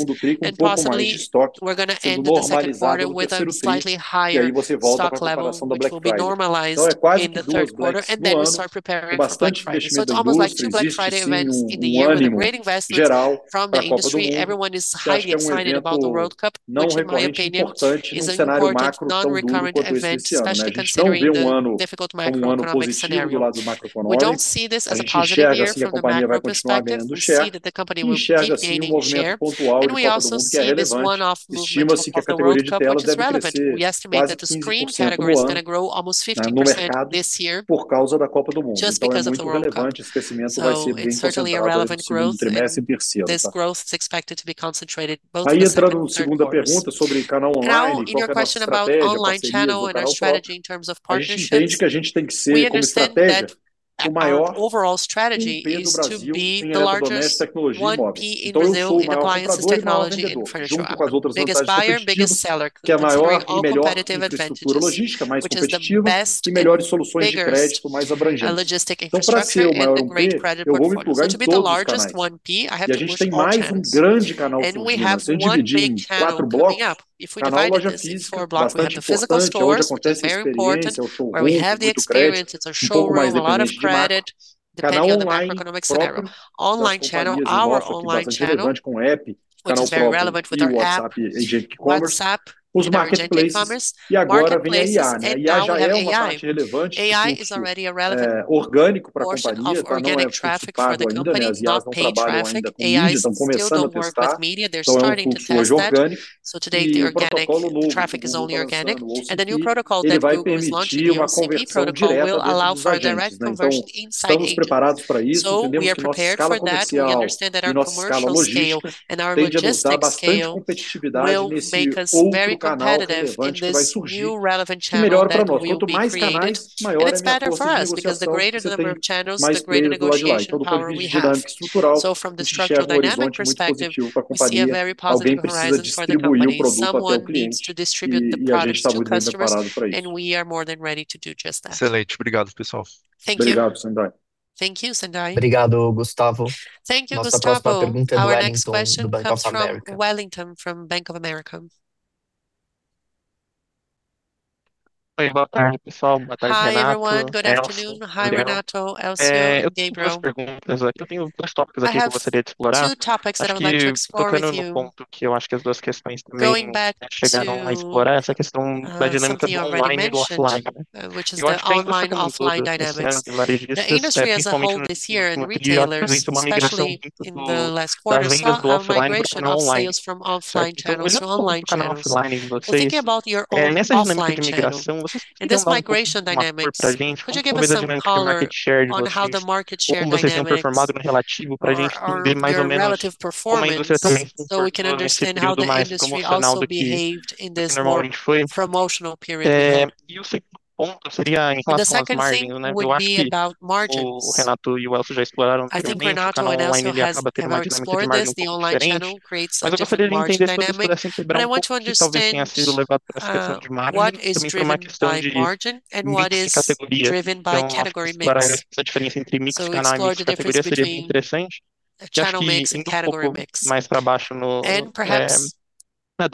and possibly we're gonna end the Q2 with a slightly higher stock level, which will be normalized in the Q3, and then we start preparing for Black Friday. It's almost like 2 Black Friday events in the year with a great investment from the industry. Everyone is highly excited about the World Cup, which in my opinion is an important non-recurrent event, especially considering the difficult macroeconomic scenario. We don't see this as a positive year from the macro perspective. We see that the company will keep gaining share, and we also see this one-off movement of the World Cup, which is relevant. We estimate that the screen category is gonna grow almost 50% this year just because of the World Cup. It's certainly a relevant growth, and this growth is expected to be concentrated both in the second and Q3s. Now in your question about online channel and our strategy in terms of partnerships, we understand that. Our overall strategy is to be the largest 1P in Brazil in appliances, technology and furniture app. Biggest buyer, biggest seller considering all competitive advantages, which is the best and biggest logistics infrastructure and great credit portfolios. To be the largest 1P, I have to boost all channels. We have one big channel coming up. If we divide it into 4 blocks, we have the physical stores, very important, where we have the experience, it's a showroom, a lot of credit, depending on the macroeconomic scenario. Online channel, our online channel, which is very relevant with our app, WhatsApp and agent e-commerce, marketplaces, and now we have AI. AI is already a relevant portion of organic traffic for the company, not paid traffic. AIs still don't work with media. They're starting to test that. Today the organic traffic is only organic, and the new protocol that Google is launching, the MCP protocol, will allow for direct conversion inside agents. We are prepared for that. We understand that our commercial scale and our logistic scale will make us very competitive in this new relevant channel that will be created. It's better for us because the greater number of channels, the greater negotiation power we have. From the structural dynamic perspective, we see a very positive horizon for the company. Someone needs to distribute the product to customers, and we are more than ready to do just that. Excelente. Obrigado, pessoal. Thank you. Obrigado, Sandai. Thank you, Sandai. Obrigado, Gustavo. Thank you, Gustavo. Our next question comes from Wellington from Bank of America. and this migration dynamics, could you give us some color on how the market share dynamics or your relative performance, so we can understand how the industry also behaved in this more promotional period as well?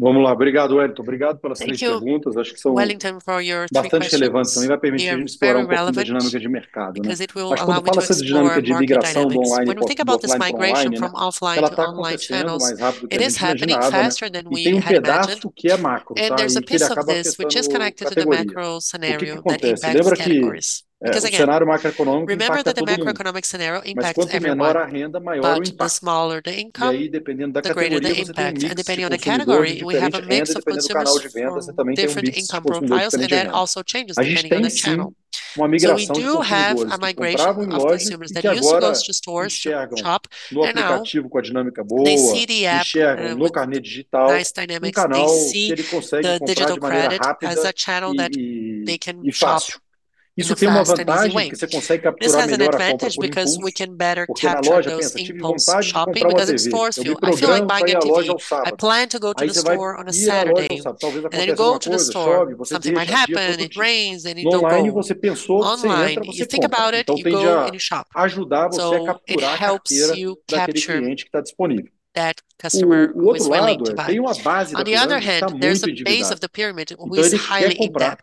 Vamos lá. Obrigado, Wellington. Obrigado pelas três perguntas. Acho que são bastante relevantes também, vai permitir a gente explorar um pouquinho da dinâmica de mercado, né. Mas quando fala essa dinâmica de migração do online pra offline, do offline pro online, né, ela tá acontecendo mais rápido do que a gente imaginava, né, e tem um pedaço que é macro, tá? E o que que acontece? Lembra que o cenário macroeconômico impacta todo mundo, mas quanto menor a renda, maior o impacto. Aí dependendo da categoria, você tem um mix de consumidor diferente e dependendo do canal de vendas, você também tem um mix de consumidor diferente dinâmico. A gente tem, sim, uma migração de consumidores que entravam em loja e que agora enxergam no aplicativo com a dinâmica boa, enxergam no carnê digital um canal que ele consegue comprar de maneira rápida e fácil. Isso tem uma vantagem que cê consegue capturar melhor a compra com impulso, porque na loja pensa: "Tive vontade de comprar uma TV". Eu me programei pra ir à loja ao sábado. Aí cê vai ir à loja ao sábado. Talvez aconteça alguma coisa, chove, você deixa, adia pra outra dia. No online você pensou, você entra e você compra. Tende a ajudar você a capturar a carteira daquele cliente que tá disponível. O outro lado é tem uma base da pirâmide que tá muito endividada.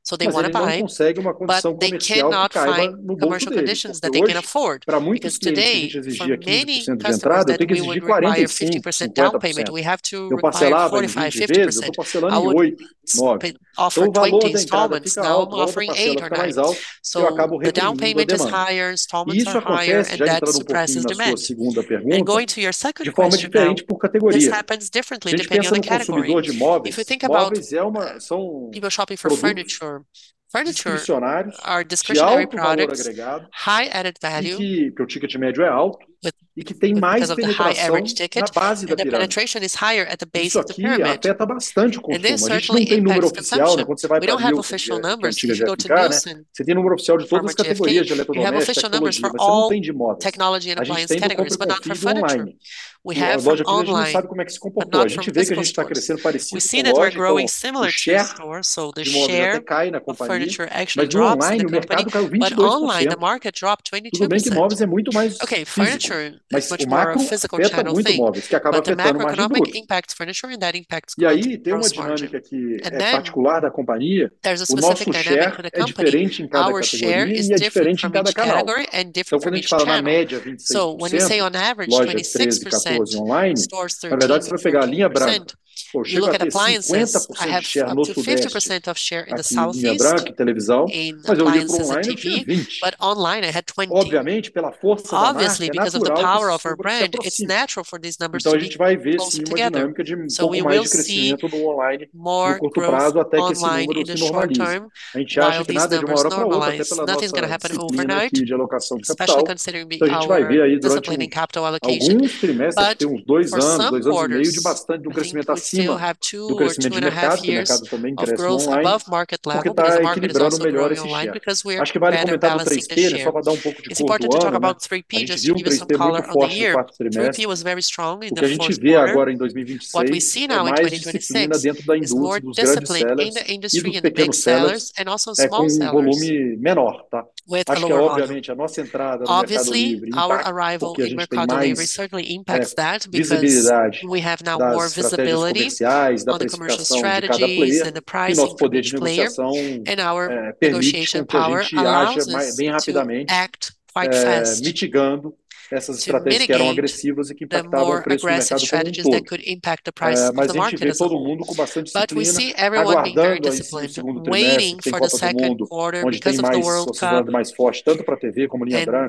Ele quer comprar, mas ele não consegue uma condição comercial que caiba no bolso dele, porque hoje, pra muitos clientes a gente exigir 15% de entrada, eu tenho que exigir 45, 50%. Eu parcelava em 20 vezes, eu tô parcelando em 8, 9. O valor da entrada fica alto ou a parcela fica mais alta e eu acabo retendo a demanda. Isso acontece, já entrando um pouquinho na sua segunda pergunta, de forma diferente por categoria. A gente pensa no consumidor de móveis. Móveis são produtos discricionários, de alto valor agregado, e cujo ticket médio é alto, e que tem mais penetração na base da pirâmide. Isso aqui afeta bastante o consumo. A gente não tem número oficial, né, quando cê vai pra Nielsen, que a gente usa de GfK, né, cê tem número oficial de todas as categorias de eletrodoméstico e tecnologia, mas cê não tem de móveis. A gente tem número por confronto de online, né. A loja física a gente não sabe como é que se comportou. A gente vê que a gente tá crescendo parecido com loja, o share de móveis até cai na companhia, mas no online o mercado caiu 22%. Tudo bem que móveis é muito mais físico, mas o macro afeta muito móveis, que acaba afetando mais curto. Aí tem uma dinâmica que é particular da companhia. O nosso share é diferente em cada categoria e é diferente em cada canal. Então quando a gente fala na média 26%, loja 13%-14% online, na verdade você vai pegar a linha branca. Pô, chego a ter 50% de share no Sudeste, aqui em linha branca e televisual, mas eu olho pro online eu tinha 20%. Obviamente, pela força To mitigate the more aggressive strategies that could impact the price of the market as a whole. We see everyone being very disciplined, waiting for the Q2 because of the World Cup.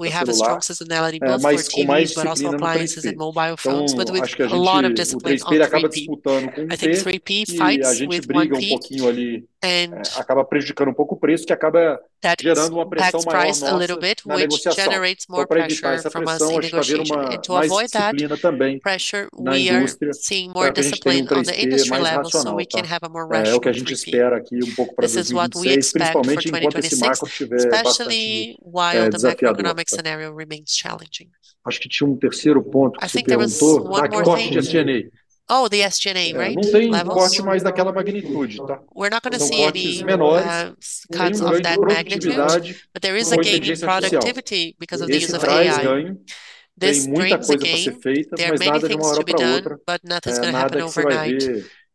We have a strong seasonality in Black Friday, but also appliances and mobile phones, but with a lot of discipline on 3P. I think 3P fights with 1P and that impacts price a little bit, which generates more pressure from us in negotiation. To avoid that pressure, we are seeing more discipline on the industry level so we can have a more rational 3P. This is what we expect for 2026, especially while the macroeconomic scenario remains challenging. I think there was one more thing. Oh, the SG&A, right? Levels. We're not going to see any cuts of that magnitude, but there is a gain in productivity because of the use of AI. This brings a gain. There are many things to be done, but nothing's going to happen overnight.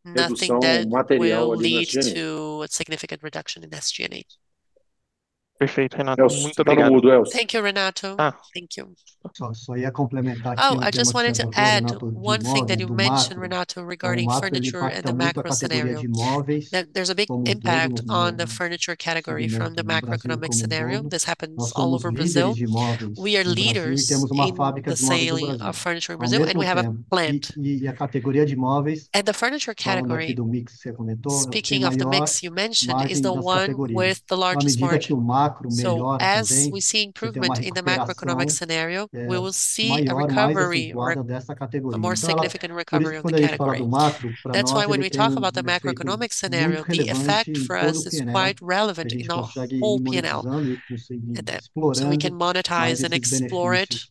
Nothing that will lead to a significant reduction in SG&A. Perfect, Renato. Muito obrigado. Thank you, Renato. Thank you. Oh, I just wanted to add one thing that you mentioned, Renato, regarding furniture and the macro scenario. That there's a big impact on the furniture category from the macroeconomic scenario. This happens all over Brazil. We are leaders in the sale of furniture in Brazil, and we have a plant. The furniture category, speaking of the mix you mentioned, is the one with the largest margin. As we see improvement in the macroeconomic scenario, we will see a recovery or a more significant recovery of the category. That's why when we talk about the macroeconomic scenario, the effect for us is quite relevant in our whole P&L. We can monetize and explore it,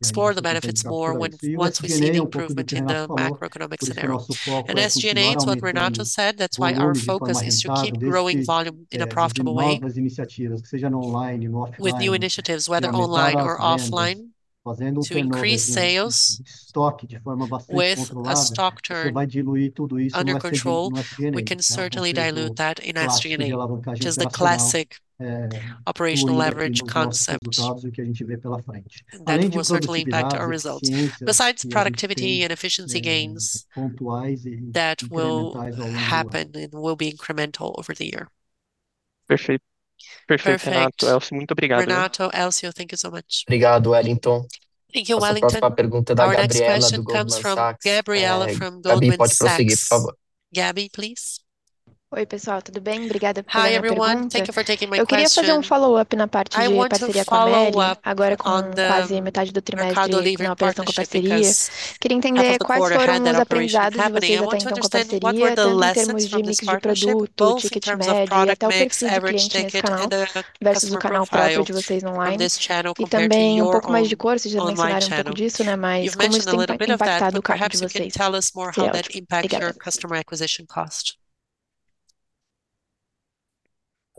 explore the benefits more once we see the improvement in the macroeconomic scenario. SG&A, it's what Renato said. That's why our focus is to keep growing volume in a profitable way. With new initiatives, whether online or offline, to increase sales with a stock turn under control, we can certainly dilute that in SG&A, which is the classic operational leverage concept that will certainly impact our results. Besides productivity and efficiency gains that will happen and will be incremental over the year. Perfect. Perfect. Renato, Élcio, muito obrigado. Renato, Élcio, thank you so much. Obrigado, Wellington. Thank you, Wellington. Our next question comes from Gabriela from Goldman Sachs. Gabi, please. Oi, pessoal, tudo bem? Obrigada pela pergunta. I want to follow up on the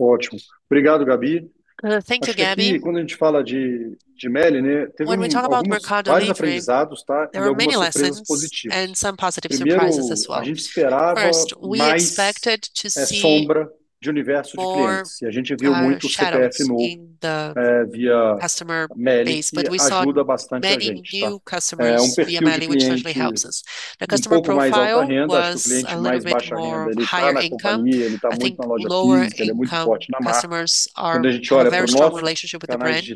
Mercado Libre partnership because half of the quarter has that operation happening. I want to understand what were the lessons from this partnership, both in terms of product mix, average ticket, and the customer profile of this channel compared to your own online channel. You've mentioned a little bit of that, but perhaps you can tell us more how that impacts your customer acquisition cost. Thank you, Gabi. When we talk about Mercado Libre, there were many lessons and some positive surprises as well. First, we expected to see more shadows in the customer base, but we saw many new customers via Meli, which frankly helps us. The customer profile was a little bit more higher income. I think lower income customers are in a very strong relationship with the brand.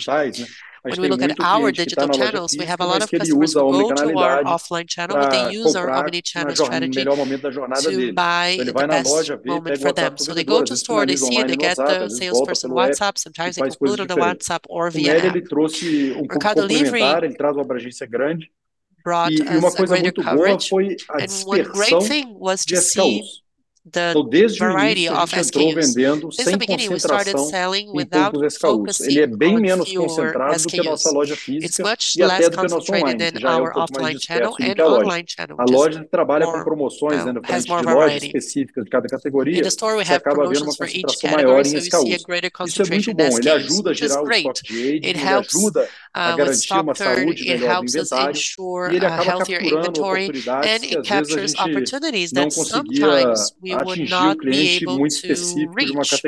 When we look at our digital channels, we have a lot of customers who go to our offline channel, but they use our omnichannel strategy to buy in the best moment for them. They go to store, they see it, they get the salesperson on WhatsApp. Sometimes they conclude on the WhatsApp or via app. Mercado Libre brought us a greater coverage, and one great thing was to see the variety of SKUs. Since the beginning, we started selling without focusing on fewer SKUs. It's much less concentrated than our offline channel and our online channel, just more, has more variety. In the store, we have promotions for each category, so we see a greater concentration of SKUs, which is great. It helps with stock turn, it helps us ensure a healthier inventory, and it captures opportunities that sometimes we would not be able to reach. Because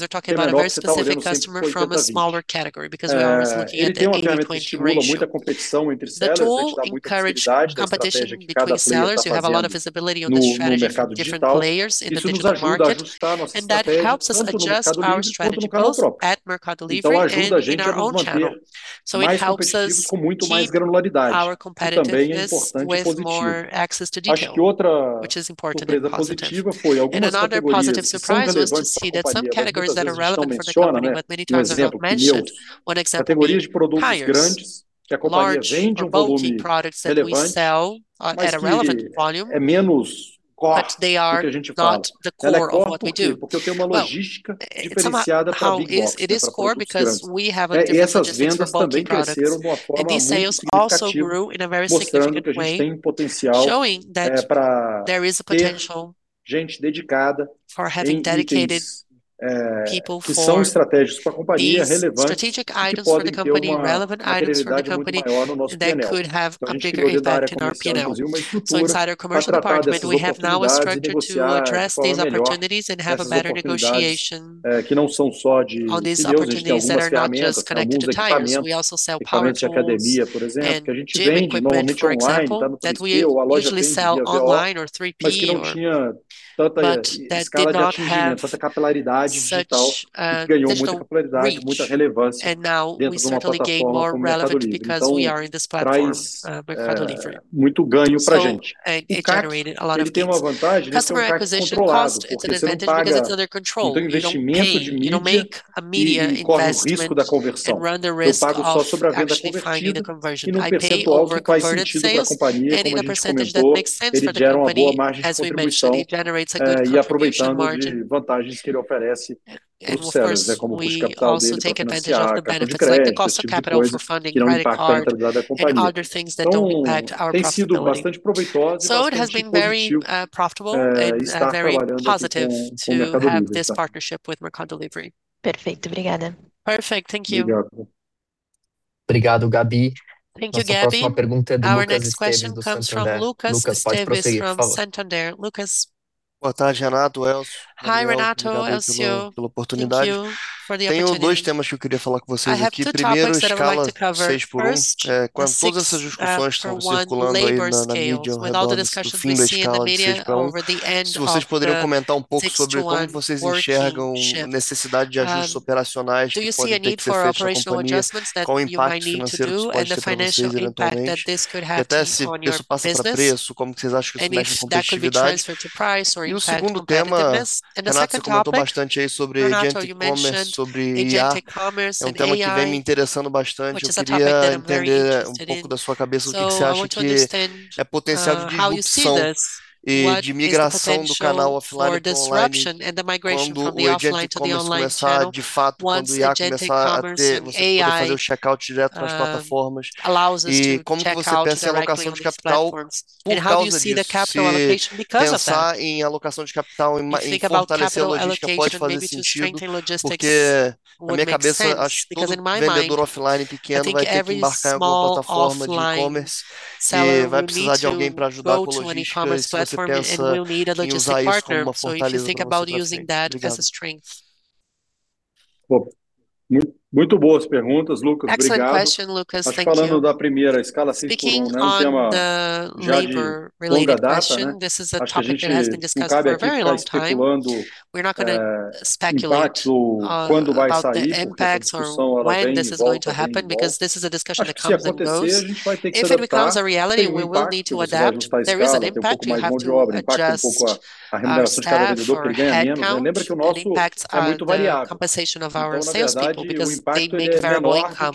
we're talking about a very specific customer from a smaller category, because we're always looking at an 80/20 ratio. The tool encouraged competition between sellers. We have a lot of visibility on the strategy of different players in the digital market, and that helps us adjust our strategies both at Mercado Libre and our own channel. It helps us keep our competitiveness with more access to detail, which is important and positive. Another positive surprise was to see that some categories that are relevant for the company, but many times are not mentioned. One example would be tires, large or bulky products that we sell at a relevant volume, but they are not the core of what we do. Well, somehow it is core because we have a different logistics for bulky products, and these sales also grew in a very significant way, showing that there is a potential for having dedicated people for these strategic items for the company, relevant items from the company that could have a bigger impact in our P&L. Inside our commercial department, we have now a structure to address these opportunities and have a better negotiation on these opportunities that are not just for tires. We also sell power tools and gym equipment, for example, that we usually sell online or 3P, but that did not have such a digital reach. Now we certainly gain more relevance because we are in this platform, Mercado Livre. It generated a lot of gains. Customer acquisition cost, it's an advantage because it's under control. You don't pay, you don't make a media investment and run the risk of actually finding a conversion. I pay over converted sales, and in a percentage that makes sense for the company, as we mentioned, it generates a good contribution margin. Of course, we also take advantage of the benefits like the cost of capital for funding credit card and other things that don't impact our profitability. It has been very profitable and very positive to have this partnership with Mercado Livre. Perfect. Thank you. Thank you, Gabi. Our next question comes from Lucas Esteves from Santander. Lucas? Hi, Renato, Élcio. Thank you for the opportunity. I have 2 topics that I would like to cover. First, the 6x1 labor scale, with all the discussions we see in the media over the end of the 6x1 working shift. would make sense, because in my mind, I think every small offline seller will need to go to an e-commerce platform and will need a logistics partner. If you think about using that as a strength. Excellent question, Lucas. Thank you. Speaking on the labor-related question, this is a topic that has been discussed for a very long time. We're not gonna speculate about the impact or when this is going to happen, because this is a discussion that comes and goes. If it becomes a reality, we will need to adapt. There is an impact. We have to adjust our staff, our headcount. It impacts on the compensation of our salespeople because they make variable income.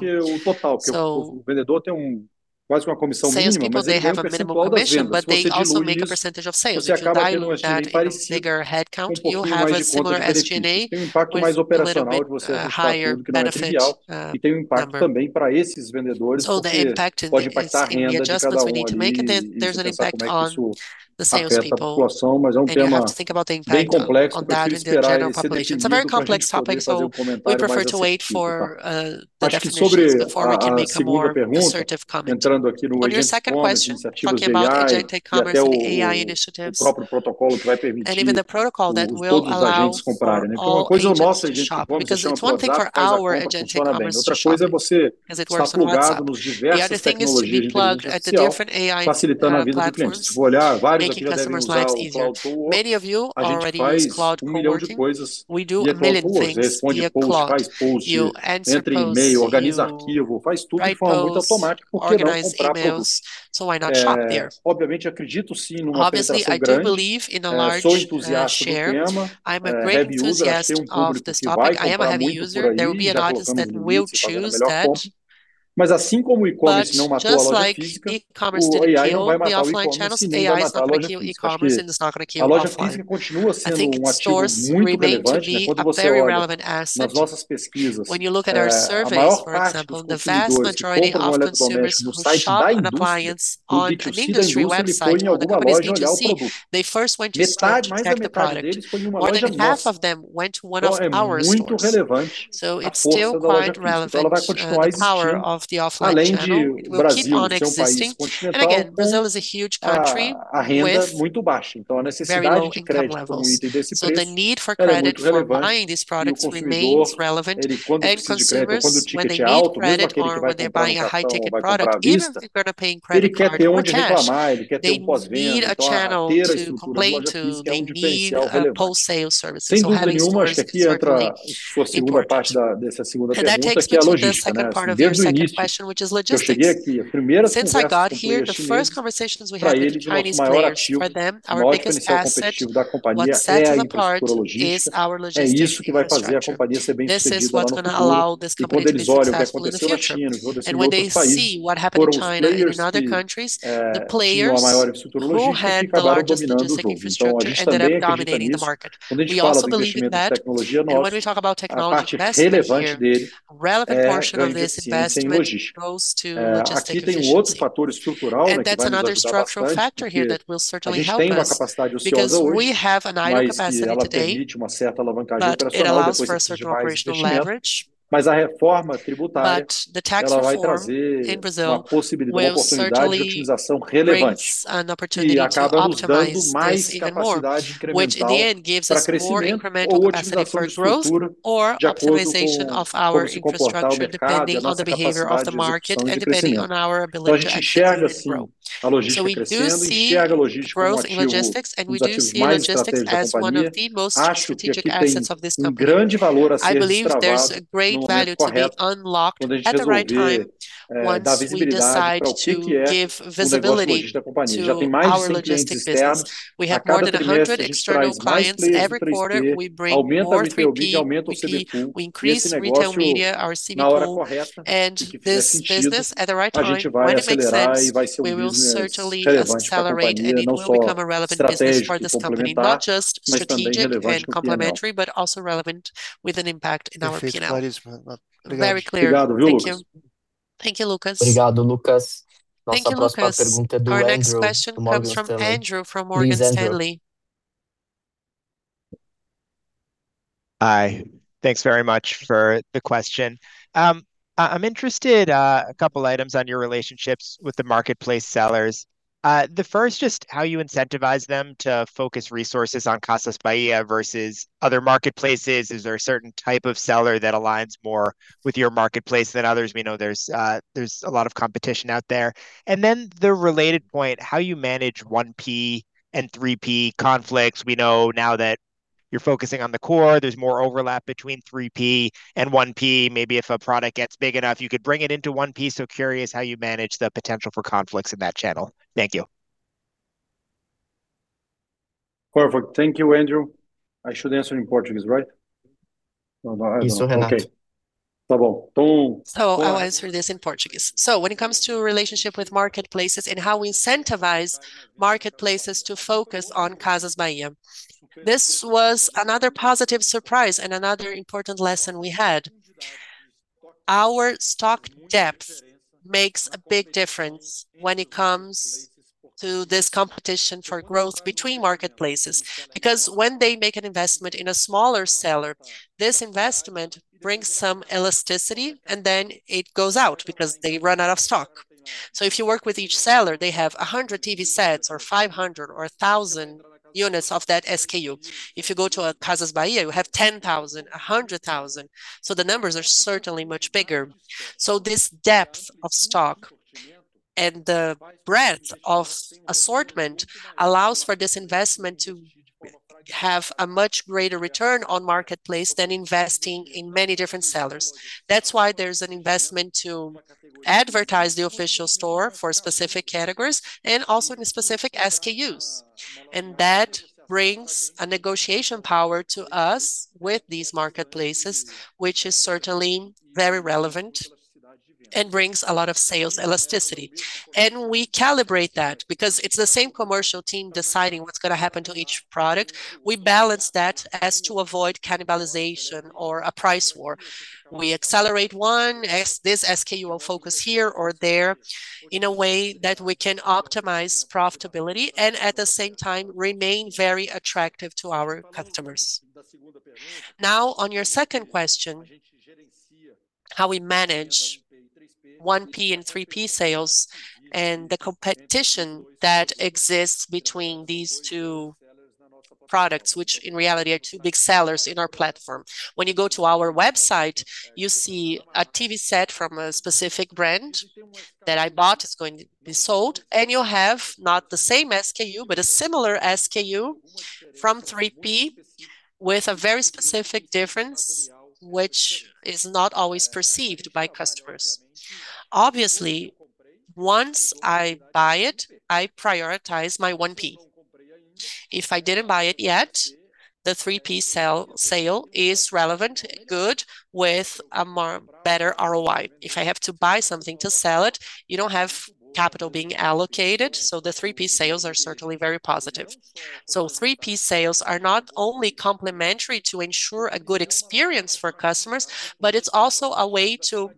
Salespeople, they have a minimum commission, but they also make a percentage of sales. If you dial in that in a bigger headcount, you have a similar SG&A with a little bit higher benefit number. The impact is in the adjustments we need to make, and there's an impact on the salespeople, and you have to think about the impact on that in the general population. It's a very complex topic, so we prefer to wait for better conditions before we can make a more assertive comment. On your second question, talking about agent e-commerce and AI initiatives, and even the protocol that will allow for all agents to shop. Because it's one thing for our agent e-commerce to shop as it works on WhatsApp. The other thing is to be plugged at the different AI platforms, making customers' lives easier. Many of you already use Claude co-working. We do a million things via Claude. You answer posts, you write posts, organize emails. So why not shop there? Obviously, I do believe in a large share. I'm a great enthusiast of this topic. I am a heavy user. There will be adopters that will choose that. Just like e-commerce didn't kill the offline channels, AI is not gonna kill e-commerce, and it's not gonna kill offline. I think stores remain to be a very relevant asset. When you look at our surveys, for example, the vast majority of consumers who shop for an appliance on the company's website, on the company's e-commerce, they first went to a store to check the product. More than half of them went to one of our stores. It's still quite relevant, the power of the offline channel. It will keep on existing. Brazil is a huge country with very low income levels. The need for credit for buying these products remains relevant, and consumers, when they need credit or when they're buying a high-ticket product, even if they're gonna pay on credit or with cash, they need a channel to complain to. They need a post-sale service. Having stores is certainly important. That takes me to the second part of your second question, which is logistics. Since I got here, the first conversations we had with Chinese players, for them, our biggest asset, what sets them apart, is our logistics structure. This is what's gonna allow this company to be successful in the future. When they see what happened in China and in other countries, the players who had the largest logistics infrastructure ended up dominating the market. We also believe in that. When we talk about technology investments here, a relevant portion of this investment goes to logistic positions. That's another structural factor here that will certainly help us, because we have an idle capacity today, but it allows for a certain amount of leverage. The tax reform in Brazil will certainly raise an opportunity to optimize this even more, which in the end gives us more incremental capacity for growth or optimization of our infrastructure, depending on the behavior of the market and depending on our ability to actually grow. We do see growth in logistics, and we do see logistics as one of the most strategic assets of this company. I believe that there's a great value to be unlocked at the right time once we decide to give visibility to our logistics business. We have more than 100 external clients. Every quarter, we bring more 3P. We increase retail media, our CB Full, and this business at the right time, when it makes sense, we will certainly accelerate, and it will become a relevant business for this company, not just strategic and complementary, but also relevant with an impact in our P&L. Very clear. Thank you. Thank you, Lucas. Our next question comes from André from Morgan Stanley. Hi. Thanks very much for the question. I'm interested in a couple items on your relationships with the marketplace sellers. The first is just how you incentivize them to focus resources on Casas Bahia versus other marketplaces. Is there a certain type of seller that aligns more with your marketplace than others? We know there's a lot of competition out there. The related point, how you manage 1P and 3P conflicts. We know now that you're focusing on the core. There's more overlap between 3P and 1P. Maybe if a product gets big enough, you could bring it into 1P, so curious how you manage the potential for conflicts in that channel. Thank you. Perfect. Thank you, André. I should answer in Portuguese, right? No, I don't. Okay. I'll answer this in Portuguese. When it comes to relationship with marketplaces and how we incentivize marketplaces to focus on Casas Bahia, this was another positive surprise and another important lesson we had. Our stock depth makes a big difference when it comes to this competition for growth between marketplaces, because when they make an investment in a smaller seller, this investment brings some elasticity, and then it goes out because they run out of stock. If you work with each seller, they have 100 TV sets or 500 or 1,000 units of that SKU. If you go to a Casas Bahia, you have 10,000, 100,000, so the numbers are certainly much bigger. This depth of stock and the breadth of assortment allows for this investment to have a much greater return on marketplace than investing in many different sellers. That's why there's an investment to advertise the official store for specific categories and also in specific SKUs. That brings a negotiation power to us with these marketplaces, which is certainly very relevant and brings a lot of sales elasticity. We calibrate that because it's the same commercial team deciding what's gonna happen to each product. We balance that as to avoid cannibalization or a price war. We accelerate one as this SKU will focus here or there in a way that we can optimize profitability and at the same time remain very attractive to our customers. Now, on your second question, how we manage 1P and 3P sales and the competition that exists between these 2 products, which in reality are 2 big sellers in our platform. When you go to our website, you see a TV set from a specific brand that I bought is going to be sold, and you have not the same SKU, but a similar SKU from 3P with a very specific difference, which is not always perceived by customers. Obviously, once I buy it, I prioritize my 1P. If I didn't buy it yet, the 3P sale is relevant, good with a more better ROI. If I have to buy something to sell it, you don't have capital being allocated, so the 3P sales are certainly very positive. 3P sales are not only complementary to ensure a good experience for customers, but it's also a way to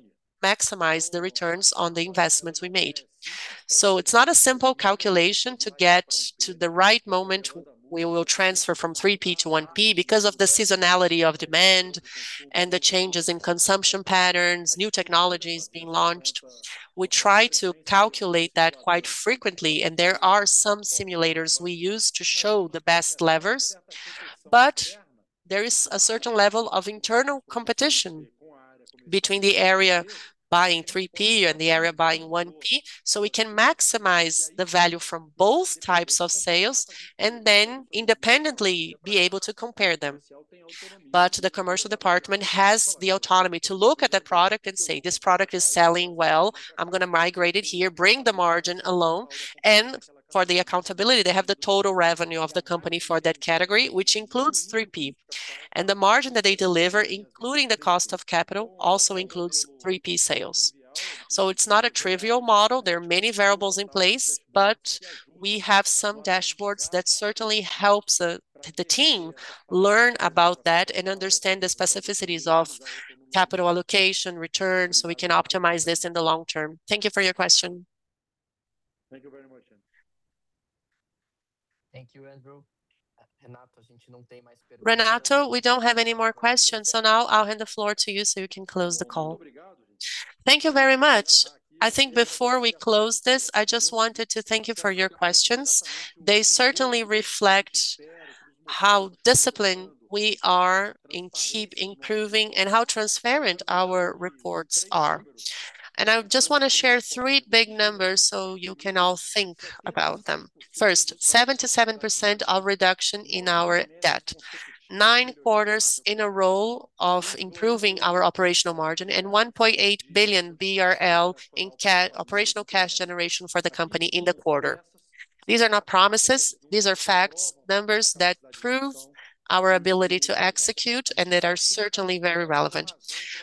maximize the returns on the investments we made. It's not a simple calculation to get to the right moment. We will transfer from 3P to 1P because of the seasonality of demand and the changes in consumption patterns, new technologies being launched. We try to calculate that quite frequently, and there are some simulators we use to show the best levers. There is a certain level of internal competition between the area buying 3P and the area buying 1P, so we can maximize the value from both types of sales and then independently be able to compare them. The commercial department has the autonomy to look at the product and say, "This product is selling well. I'm gonna migrate it here, bring the margin along." For the accountability, they have the total revenue of the company for that category, which includes 3P. The margin that they deliver, including the cost of capital, also includes 3P sales. It's not a trivial model. There are many variables in place, but we have some dashboards that certainly helps the team learn about that and understand the specificities of capital allocation returns, so we can optimize this in the long term. Thank you for your question. Thank you very much. Thank you, André. Renato, we don't have any more questions, so now I'll hand the floor to you so you can close the call. Thank you very much. I think before we close this, I just wanted to thank you for your questions. They certainly reflect how disciplined we are in keep improving and how transparent our reports are. I just wanna share 3 big numbers so you can all think about them. First, 77% reduction in our debt. 9 quarters in a row of improving our operational margin, and 1.8 billion BRL in operational cash generation for the company in the quarter. These are not promises, these are facts, numbers that prove our ability to execute, and that are certainly very relevant.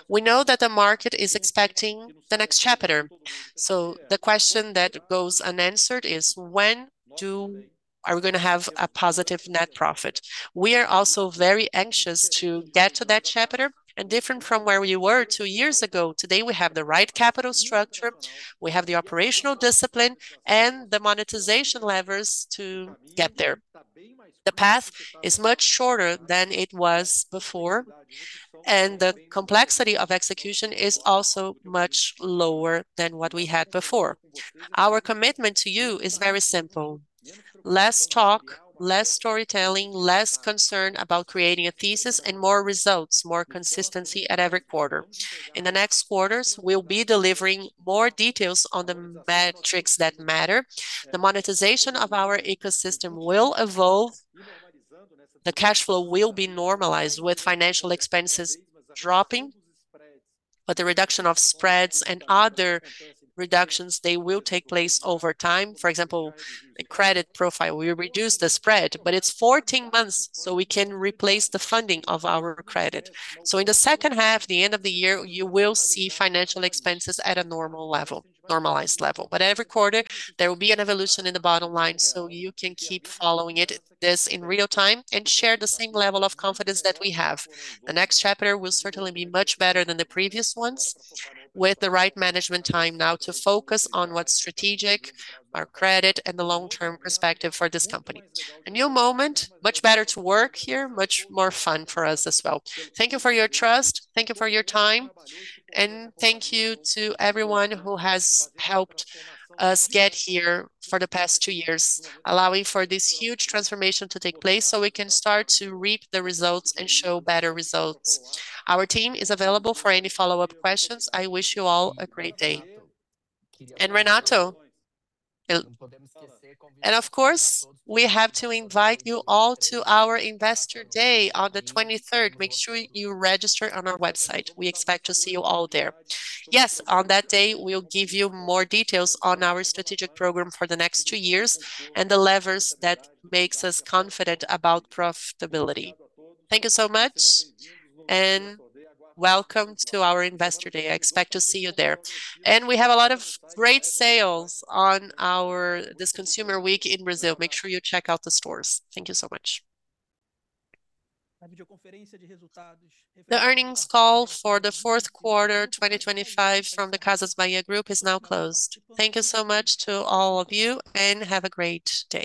We know that the market is expecting the next chapter, so the question that goes unanswered is when are we gonna have a positive net profit? We are also very anxious to get to that chapter. Different from where we were 2 years ago, today we have the right capital structure, we have the operational discipline, and the monetization levers to get there. The path is much shorter than it was before, and the complexity of execution is also much lower than what we had before. Our commitment to you is very simple. Less talk, less storytelling, less concern about creating a thesis, and more results, more consistency at every quarter. In the next quarters, we'll be delivering more details on the metrics that matter. The monetization of our ecosystem will evolve. The cash flow will be normalized with financial expenses dropping, but the reduction of spreads and other reductions, they will take place over time. For example, a credit profile, we reduce the spread, but it's 14 months, so we can replace the funding of our credit. In the H1, the end of the year, you will see financial expenses at a normal level, normalized level. Every quarter, there will be an evolution in the bottom line, so you can keep following it, this in real time, and share the same level of confidence that we have. The next chapter will certainly be much better than the previous ones with the right management time now to focus on what's strategic, our credit, and the long-term perspective for this company. A new moment, much better to work here, much more fun for us as well. Thank you for your trust. Thank you for your time. Thank you to everyone who has helped us get here for the past 2 years, allowing for this huge transformation to take place so we can start to reap the results and show better results. Our team is available for any follow-up questions. I wish you all a great day. Renato, of course, we have to invite you all to our Investor Day on the 23rd. Make sure you register on our website. We expect to see you all there. Yes, on that day we'll give you more details on our strategic program for the next 2 years, and the levers that makes us confident about profitability. Thank you so much, and welcome to our Investor Day. I expect to see you there. We have a lot of great sales on our, this consumer week in Brazil. Make sure you check out the stores. Thank you so much. The earnings call for the Q4 2025 from Grupo Casas Bahia is now closed. Thank you so much to all of you and have a great day.